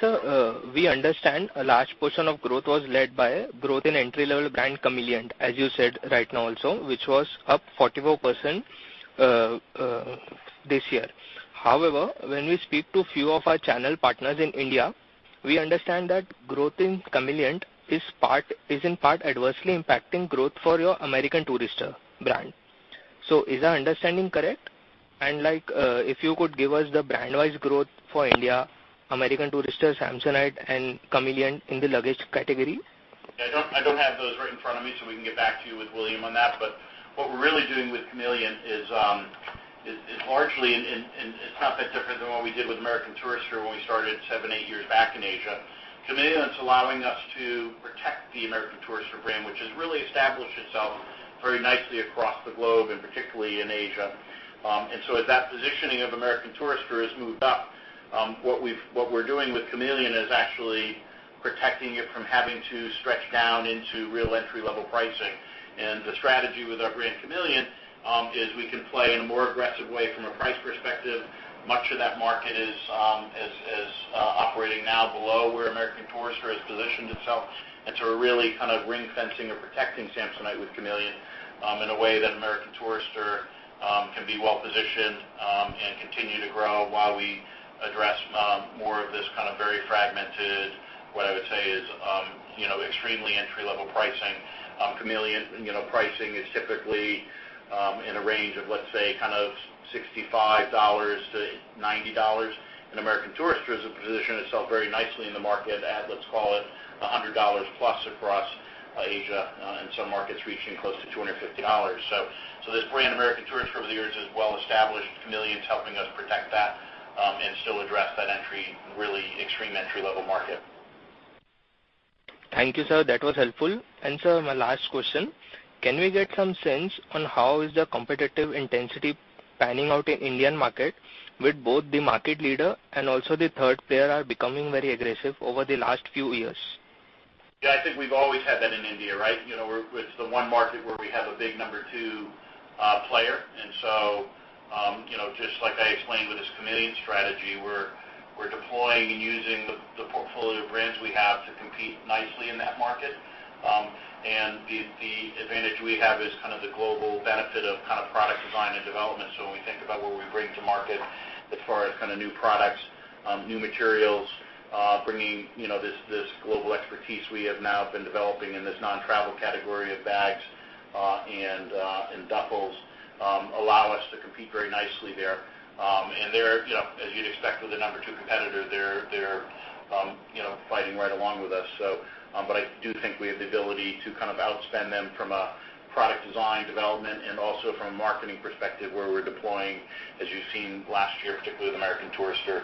S9: Sir, we understand a large portion of growth was led by growth in entry-level brand Kamiliant, as you said right now also, which was up 44% this year. However, when we speak to a few of our channel partners in India, we understand that growth in Kamiliant is in part adversely impacting growth for your American Tourister brand. Is our understanding correct? If you could give us the brand-wise growth for India, American Tourister, Samsonite, and Kamiliant in the luggage category.
S4: I don't have those right in front of me, so we can get back to you with William on that. What we're really doing with Kamiliant is largely, and it's not that different than what we did with American Tourister when we started seven, eight years back in Asia. Kamiliant is allowing us to protect the American Tourister brand, which has really established itself very nicely across the globe and particularly in Asia. As that positioning of American Tourister has moved up, what we're doing with Kamiliant is actually protecting it from having to stretch down into real entry-level pricing. The strategy with our brand Kamiliant, is we can play in a more aggressive way from a price perspective. Much of that market is operating now below where American Tourister has positioned itself. We're really kind of ring-fencing or protecting Samsonite with Kamiliant in a way that American Tourister can be well-positioned and continue to grow while we address more of this kind of very fragmented, what I would say is extremely entry-level pricing. Kamiliant pricing is typically in a range of, let's say, $65-$90. American Tourister has positioned itself very nicely in the market at, let's call it, $100 plus across Asia, and some markets reaching close to $250. This brand American Tourister over the years is well-established. Kamiliant's helping us protect that and still address that really extreme entry-level market.
S9: Thank you, sir. That was helpful. Sir, my last question: Can we get some sense on how is the competitive intensity panning out in Indian market with both the market leader and also the third player are becoming very aggressive over the last few years?
S4: I think we've always had that in India, right? It's the one market where we have a big number 2 player. Just like I explained with this Kamiliant strategy, we're deploying and using the portfolio of brands we have to compete nicely in that market. The advantage we have is kind of the global benefit of product design and development. When we think about what we bring to market as far as new products, new materials, bringing this global expertise we have now been developing in this non-travel category of bags and duffels allow us to compete very nicely there. As you'd expect with a number 2 competitor, they're fighting right along with us. I do think we have the ability to outspend them from a product design development and also from a marketing perspective, where we're deploying, as you've seen last year, particularly with American Tourister,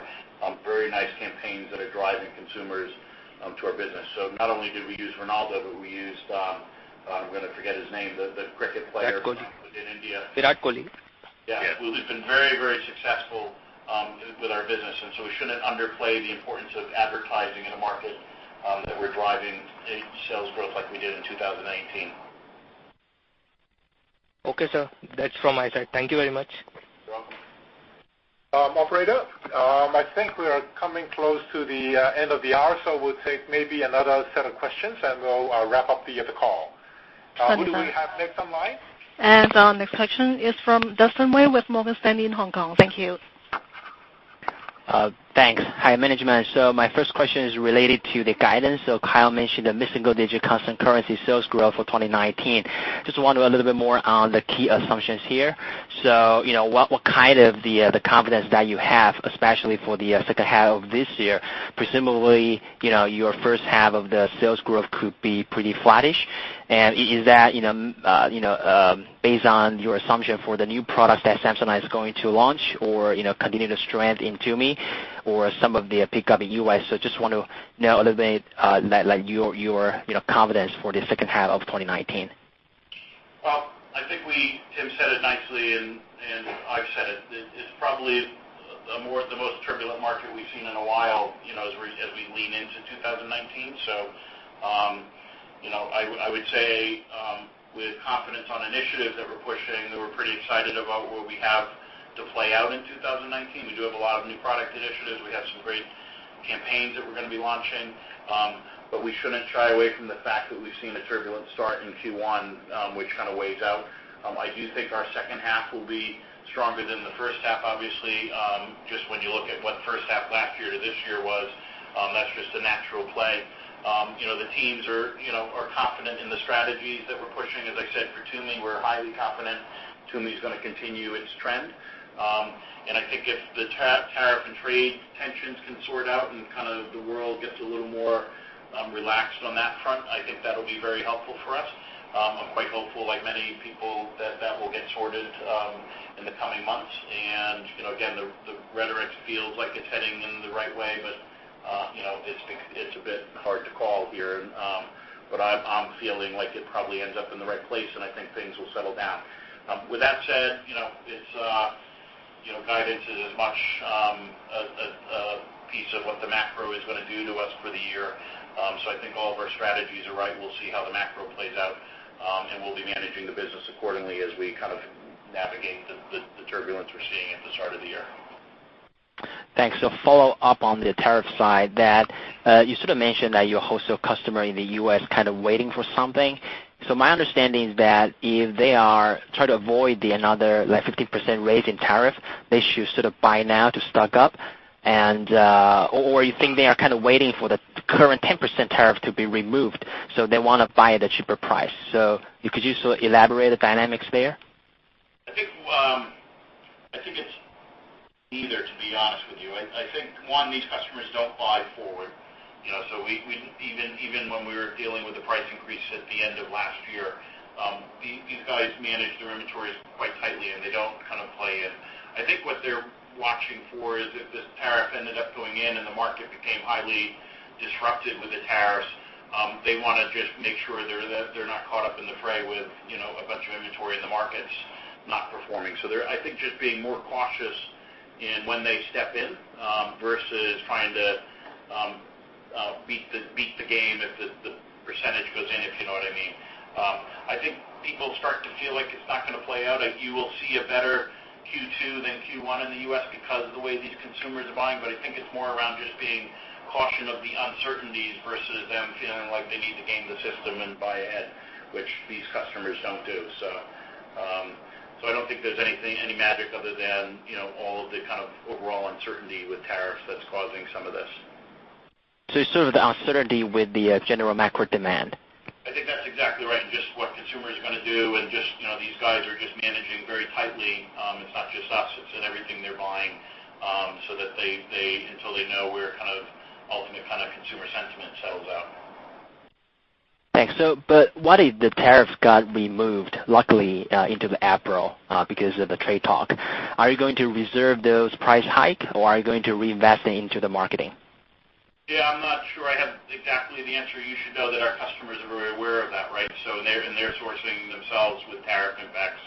S4: very nice campaigns that are driving consumers to our business. Not only did we use Ronaldo, but we used-- I'm going to forget his name, the cricket player-
S9: Virat Kohli
S4: in India.
S9: Virat Kohli.
S4: Yeah. We've been very successful with our business, and so we shouldn't underplay the importance of advertising in a market that we're driving sales growth like we did in 2019.
S9: Okay, sir. That's from my side. Thank you very much.
S4: You're welcome.
S2: Operator, I think we are coming close to the end of the hour, so we'll take maybe another set of questions, and we'll wrap up the call.
S1: 20 seconds.
S2: Who do we have next on line?
S1: Our next question is from Dustin Wei with Morgan Stanley in Hong Kong. Thank you.
S10: Thanks. Hi, management. My first question is related to the guidance. Kyle mentioned a mid-single digit constant currency sales growth for 2019. Just wonder a little bit more on the key assumptions here. What kind of the confidence that you have, especially for the second half of this year, presumably, your first half of the sales growth could be pretty flattish. Is that based on your assumption for the new products that Samsonite is going to launch or continued strength in TUMI or some of the pickup in U.S.? Just want to know a little bit, like your confidence for the second half of 2019.
S4: I think Tim said it nicely, and I've said it. It's probably the most turbulent market we've seen in a while as we lean into 2019. I would say with confidence on initiatives that we're pushing, that we're pretty excited about what we have to play out in 2019. We do have a lot of new product initiatives. We have some great campaigns that we're going to be launching. We shouldn't shy away from the fact that we've seen a turbulent start in Q1, which kind of weighs out. I do think our second half will be stronger than the first half, obviously, just when you look at what first half last year to this year was, that's just a natural play. The teams are confident in the strategies that we're pushing. As I said, for TUMI, we're highly confident TUMI's going to continue its trend. I think if the tariff and trade tensions can sort out and the world gets a little more relaxed on that front, I think that'll be very helpful for us. I'm quite hopeful, like many people, that that will get sorted in the coming months. Again, the rhetoric feels like it's heading in the right way, but it's a bit hard to call here. I'm feeling like it probably ends up in the right place, and I think things will settle down. With that said, guidance is as much a piece of what the macro is going to do to us for the year. I think all of our strategies are right. We'll see how the macro plays out, and we'll be managing the business accordingly as we navigate the turbulence we're seeing at the start of the year.
S10: Thanks. Follow up on the tariff side, that you sort of mentioned that your wholesale customer in the U.S. kind of waiting for something. My understanding is that if they are trying to avoid another 15% raise in tariff, they should sort of buy now to stock up, or you think they are kind of waiting for the current 10% tariff to be removed, so they want to buy at a cheaper price. Could you elaborate the dynamics there?
S4: I think it's neither, to be honest with you. I think, one, these customers don't buy forward. Even when we were dealing with the price increase at the end of last year, these guys manage their inventories quite tightly, and they don't play in. I think what they're watching for is if this tariff ended up going in and the market became highly disrupted with the tariffs, they want to just make sure they're not caught up in the fray with a bunch of inventory in the markets not performing. They're, I think, just being more cautious in when they step in versus trying to beat the game if the percentage goes in, if you know what I mean. I think people start to feel like it's not going to play out. You will see a better Q2 than Q1 in the U.S. because of the way these consumers are buying. I think it's more around just being cautious of the uncertainties versus them feeling like they need to game the system and buy ahead, which these customers don't do. I don't think there's any magic other than all of the kind of overall uncertainty with tariffs that's causing some of this.
S10: You start with the uncertainty with the general macro demand.
S4: I think that's exactly right. Just what consumers are going to do. These guys are just managing very tightly. It's not just us, it's in everything they're buying, until they know where kind of ultimate consumer sentiment settles out.
S10: Thanks. What if the tariff got removed, luckily, into April, because of the trade talk? Are you going to reserve those price hike, or are you going to reinvest it into the marketing?
S4: I'm not sure I have exactly the answer. You should know that our customers are very aware of that, right? They're sourcing themselves with tariff impact.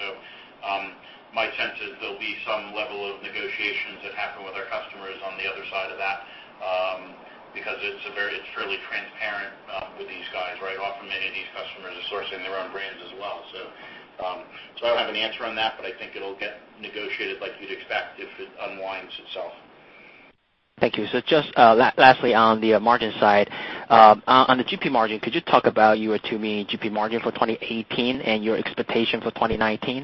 S4: My sense is there'll be some level of negotiations that happen with our customers on the other side of that. Because it's fairly transparent with these guys, right? Often, many of these customers are sourcing their own brands as well. I don't have an answer on that, but I think it'll get negotiated like you'd expect if it unwinds itself.
S10: Thank you. Just lastly, on the margin side. On the GP margin, could you talk about your TUMI GP margin for 2018 and your expectation for 2019?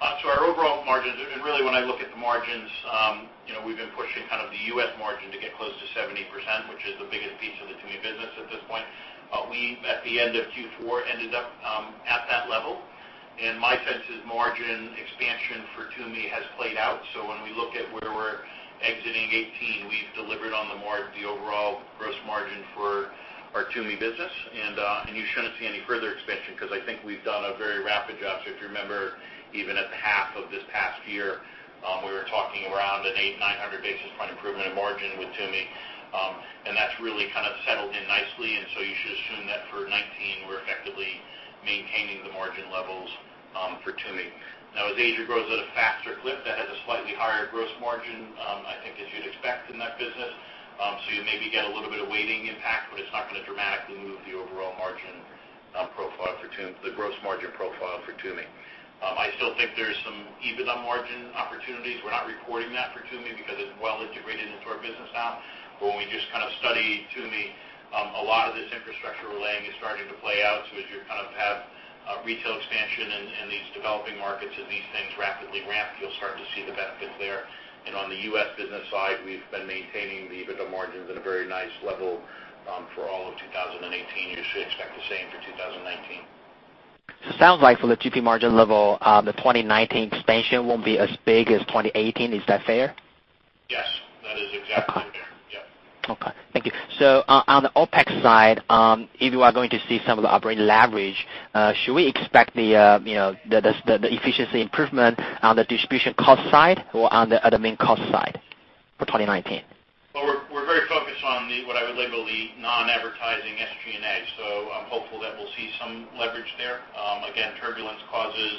S4: Our overall margins, really when I look at the margins, we've been pushing the U.S. margin to get close to 70%, which is the biggest piece of the TUMI business at this point. We, at the end of Q4, ended up at that level, my sense is margin expansion for TUMI has played out. When we look at where we're exiting 2018, we've delivered on the overall gross margin for our TUMI business. You shouldn't see any further expansion because I think we've done a very rapid job. If you remember, even at the half of this past year, we were talking around an 8 or 900 basis points improvement in margin with TUMI. That's really kind of settled in nicely, you should assume that for 2019, we're effectively maintaining the margin levels for TUMI. Now, as Asia grows at a faster clip, that has a slightly higher gross margin, I think as you'd expect in that business. You maybe get a little bit of weighting impact, but it's not going to dramatically move the overall margin profile for TUMI, the gross margin profile for TUMI. I still think there's some EBITDA margin opportunities. We're not reporting that for TUMI because it's well integrated into our business now. When we just study TUMI, a lot of this infrastructure we're laying is starting to play out. As you have retail expansion in these developing markets, as these things rapidly ramp, you'll start to see the benefits there. On the U.S. business side, we've been maintaining the EBITDA margins at a very nice level for all of 2018. You should expect the same for 2019.
S10: Sounds like for the GP margin level, the 2019 expansion won't be as big as 2018. Is that fair?
S4: Yes. That is exactly fair. Yep.
S10: Okay. Thank you. On the OpEx side, if you are going to see some of the operating leverage, should we expect the efficiency improvement on the distribution cost side or on the admin cost side?
S5: For 2019?
S4: We're very focused on what I would label the non-advertising SG&A, I'm hopeful that we'll see some leverage there. Again, turbulence causes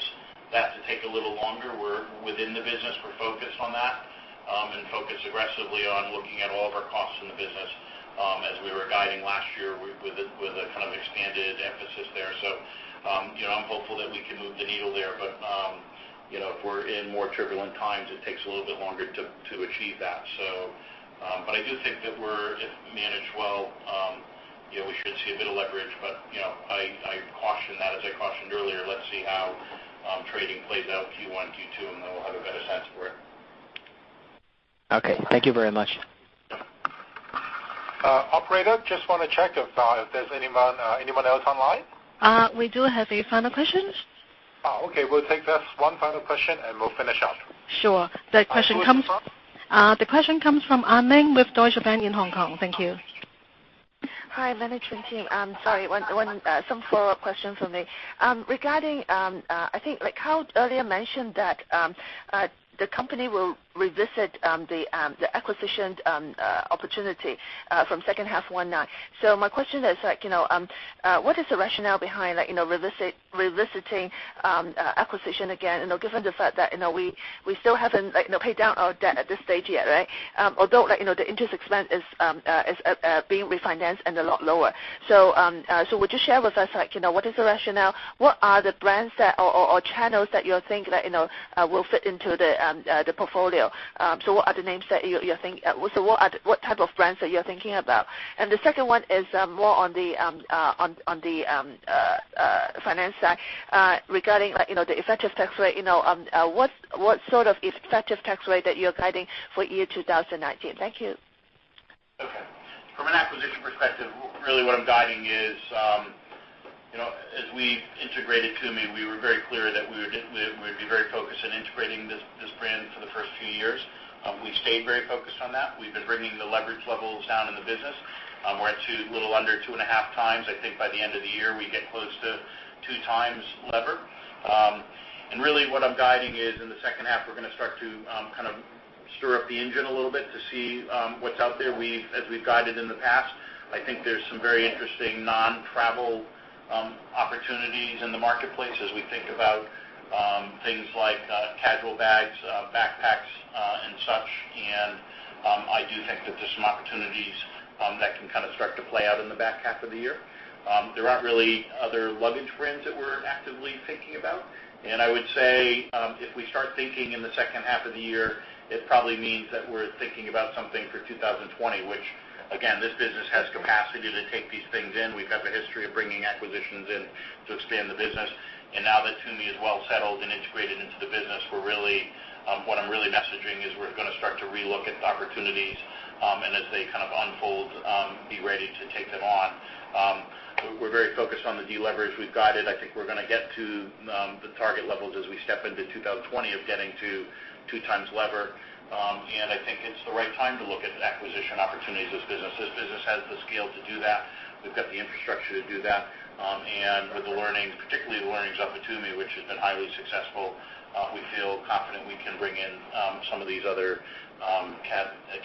S4: that to take a little longer. Within the business, we're focused on that and focused aggressively on looking at all of our costs in the business as we were guiding last year with a kind of expanded emphasis there. I'm hopeful that we can move the needle there. If we're in more turbulent times, it takes a little bit longer to achieve that. I do think that if managed well, we should see a bit of leverage. I caution that as I cautioned earlier, let's see how trading plays out Q1, Q2, and then we'll have a better sense for it.
S10: Okay. Thank you very much.
S2: Operator, just want to check if there's anyone else online.
S1: We do have a final question.
S2: Okay. We'll take this one final question, we'll finish up.
S1: Sure. The question comes.
S2: Who is this from?
S1: The question comes from Anne Ling with Deutsche Bank in Hong Kong. Thank you.
S8: Hi, management team. Sorry, some follow-up question from me. Regarding, I think like how earlier mentioned that the company will revisit the acquisition opportunity from second half 2019. My question is, what is the rationale behind revisiting acquisition again? Given the fact that we still haven't paid down our debt at this stage yet, right? Although the interest expense is being refinanced and a lot lower. Would you share with us what is the rationale? What are the brands or channels that you think will fit into the portfolio? What type of brands are you thinking about? The second one is more on the finance side. Regarding the effective tax rate, what sort of effective tax rate that you're guiding for year 2019? Thank you.
S4: Okay. From an acquisition perspective, really what I'm guiding is as we integrated TUMI, we were very clear that we'd be very focused on integrating this brand for the first few years. We've stayed very focused on that. We've been bringing the leverage levels down in the business. We're at a little under two and a half times. I think by the end of the year, we get close to two times lever. Really what I'm guiding is in the second half, we're going to start to stir up the engine a little bit to see what's out there. As we've guided in the past, I think there's some very interesting non-travel opportunities in the marketplace as we think about things like casual bags, backpacks, and such. I do think that there's some opportunities that can start to play out in the back half of the year. There aren't really other luggage brands that we're actively thinking about. I would say, if we start thinking in the second half of the year, it probably means that we're thinking about something for 2020, which again, this business has capacity to take these things in. We've got the history of bringing acquisitions in to expand the business. Now that TUMI is well settled and integrated into the business, what I'm really messaging is we're going to start to re-look at opportunities and as they unfold, be ready to take them on. We're very focused on the deleverage. We've guided. I think we're going to get to the target levels as we step into 2020 of getting to two times lever. I think it's the right time to look at acquisition opportunities as business. This business has the scale to do that. We've got the infrastructure to do that. With the learnings, particularly the learnings off of TUMI, which has been highly successful, we feel confident we can bring in some of these other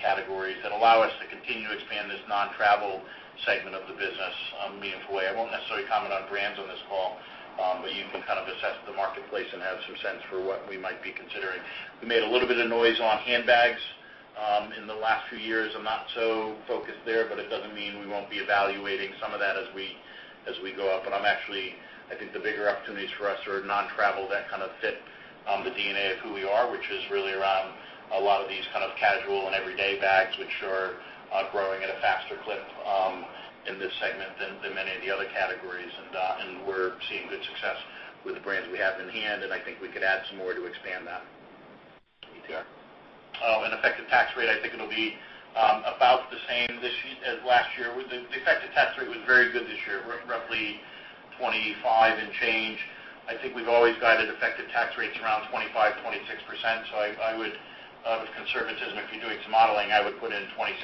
S4: categories that allow us to continue to expand this non-travel segment of the business meaningfully. I won't necessarily comment on brands on this call, but you can assess the marketplace and have some sense for what we might be considering. We made a little bit of noise on handbags in the last few years. I'm not so focused there, but it doesn't mean we won't be evaluating some of that as we go up. I think the bigger opportunities for us are non-travel that kind of fit the DNA of who we are, which is really around a lot of these kind of casual and everyday bags, which are growing at a faster clip in this segment than many of the other categories. We're seeing good success with the brands we have in hand, and I think we could add some more to expand that.
S5: Okay.
S4: Effective tax rate, I think it'll be about the same as last year. The effective tax rate was very good this year, roughly 25% and change. I think we've always guided effective tax rates around 25%-26%. I would, with conservatism, if you're doing some modeling, I would put in 26%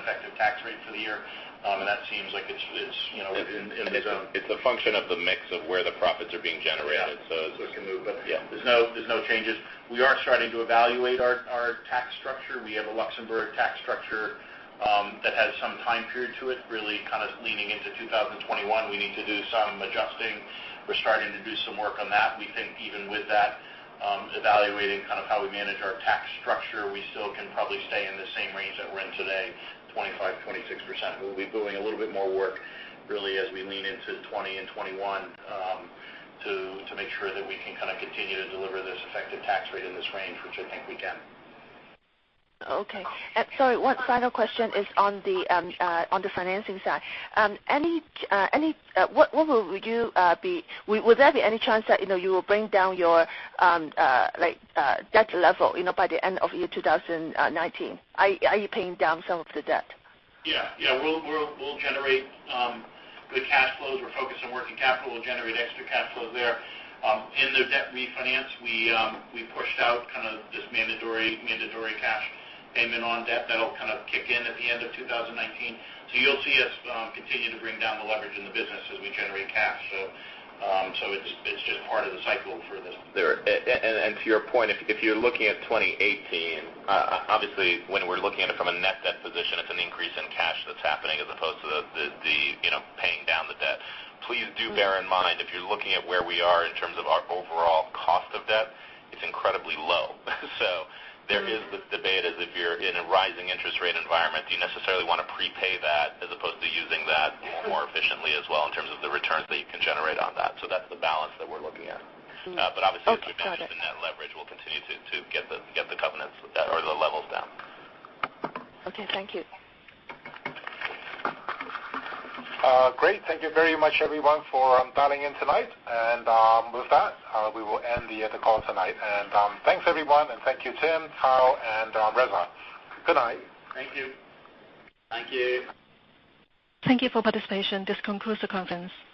S4: effective tax rate for the year.
S5: It's a function of the mix of where the profits are being generated.
S4: Yeah. It can move, but there's no changes. We are starting to evaluate our tax structure. We have a Luxembourg tax structure that has some time period to it, really kind of leaning into 2021. We need to do some adjusting. We're starting to do some work on that. We think even with that, evaluating how we manage our tax structure, we still can probably stay in the same range that we're in today, 25%-26%. We'll be doing a little bit more work really as we lean into 2020 and 2021 to make sure that we can continue to deliver this effective tax rate in this range, which I think we can.
S8: Okay. Sorry, one final question is on the financing side. Would there be any chance that you will bring down your debt level by the end of year 2019? Are you paying down some of the debt?
S4: Yeah. We'll generate good cash flows. We're focused on working capital. We'll generate extra cash flow there. In the debt refinance, we pushed out this mandatory cash payment on debt that'll kick in at the end of 2019. You'll see us continue to bring down the leverage in the business as we generate cash. It's just part of the cycle for this.
S5: To your point, if you're looking at 2018, obviously when we're looking at it from a net debt position, it's an increase in cash that's happening as opposed to the paying down the debt. Please do bear in mind, if you're looking at where we are in terms of our overall cost of debt, it's incredibly low. There is this debate as if you're in a rising interest rate environment, do you necessarily want to prepay that as opposed to using that more efficiently as well in terms of the returns that you can generate on that? That's the balance that we're looking at.
S8: Okay, got it.
S5: Obviously, as we've been doing the net leverage, we'll continue to get the covenants or the levels down.
S8: Okay. Thank you.
S2: Great. Thank you very much, everyone, for dialing in tonight. With that, we will end the call tonight. Thanks, everyone, and thank you, Tim, Kyle, and Reza. Good night.
S4: Thank you.
S5: Thank you.
S1: Thank you for participation. This concludes the conference.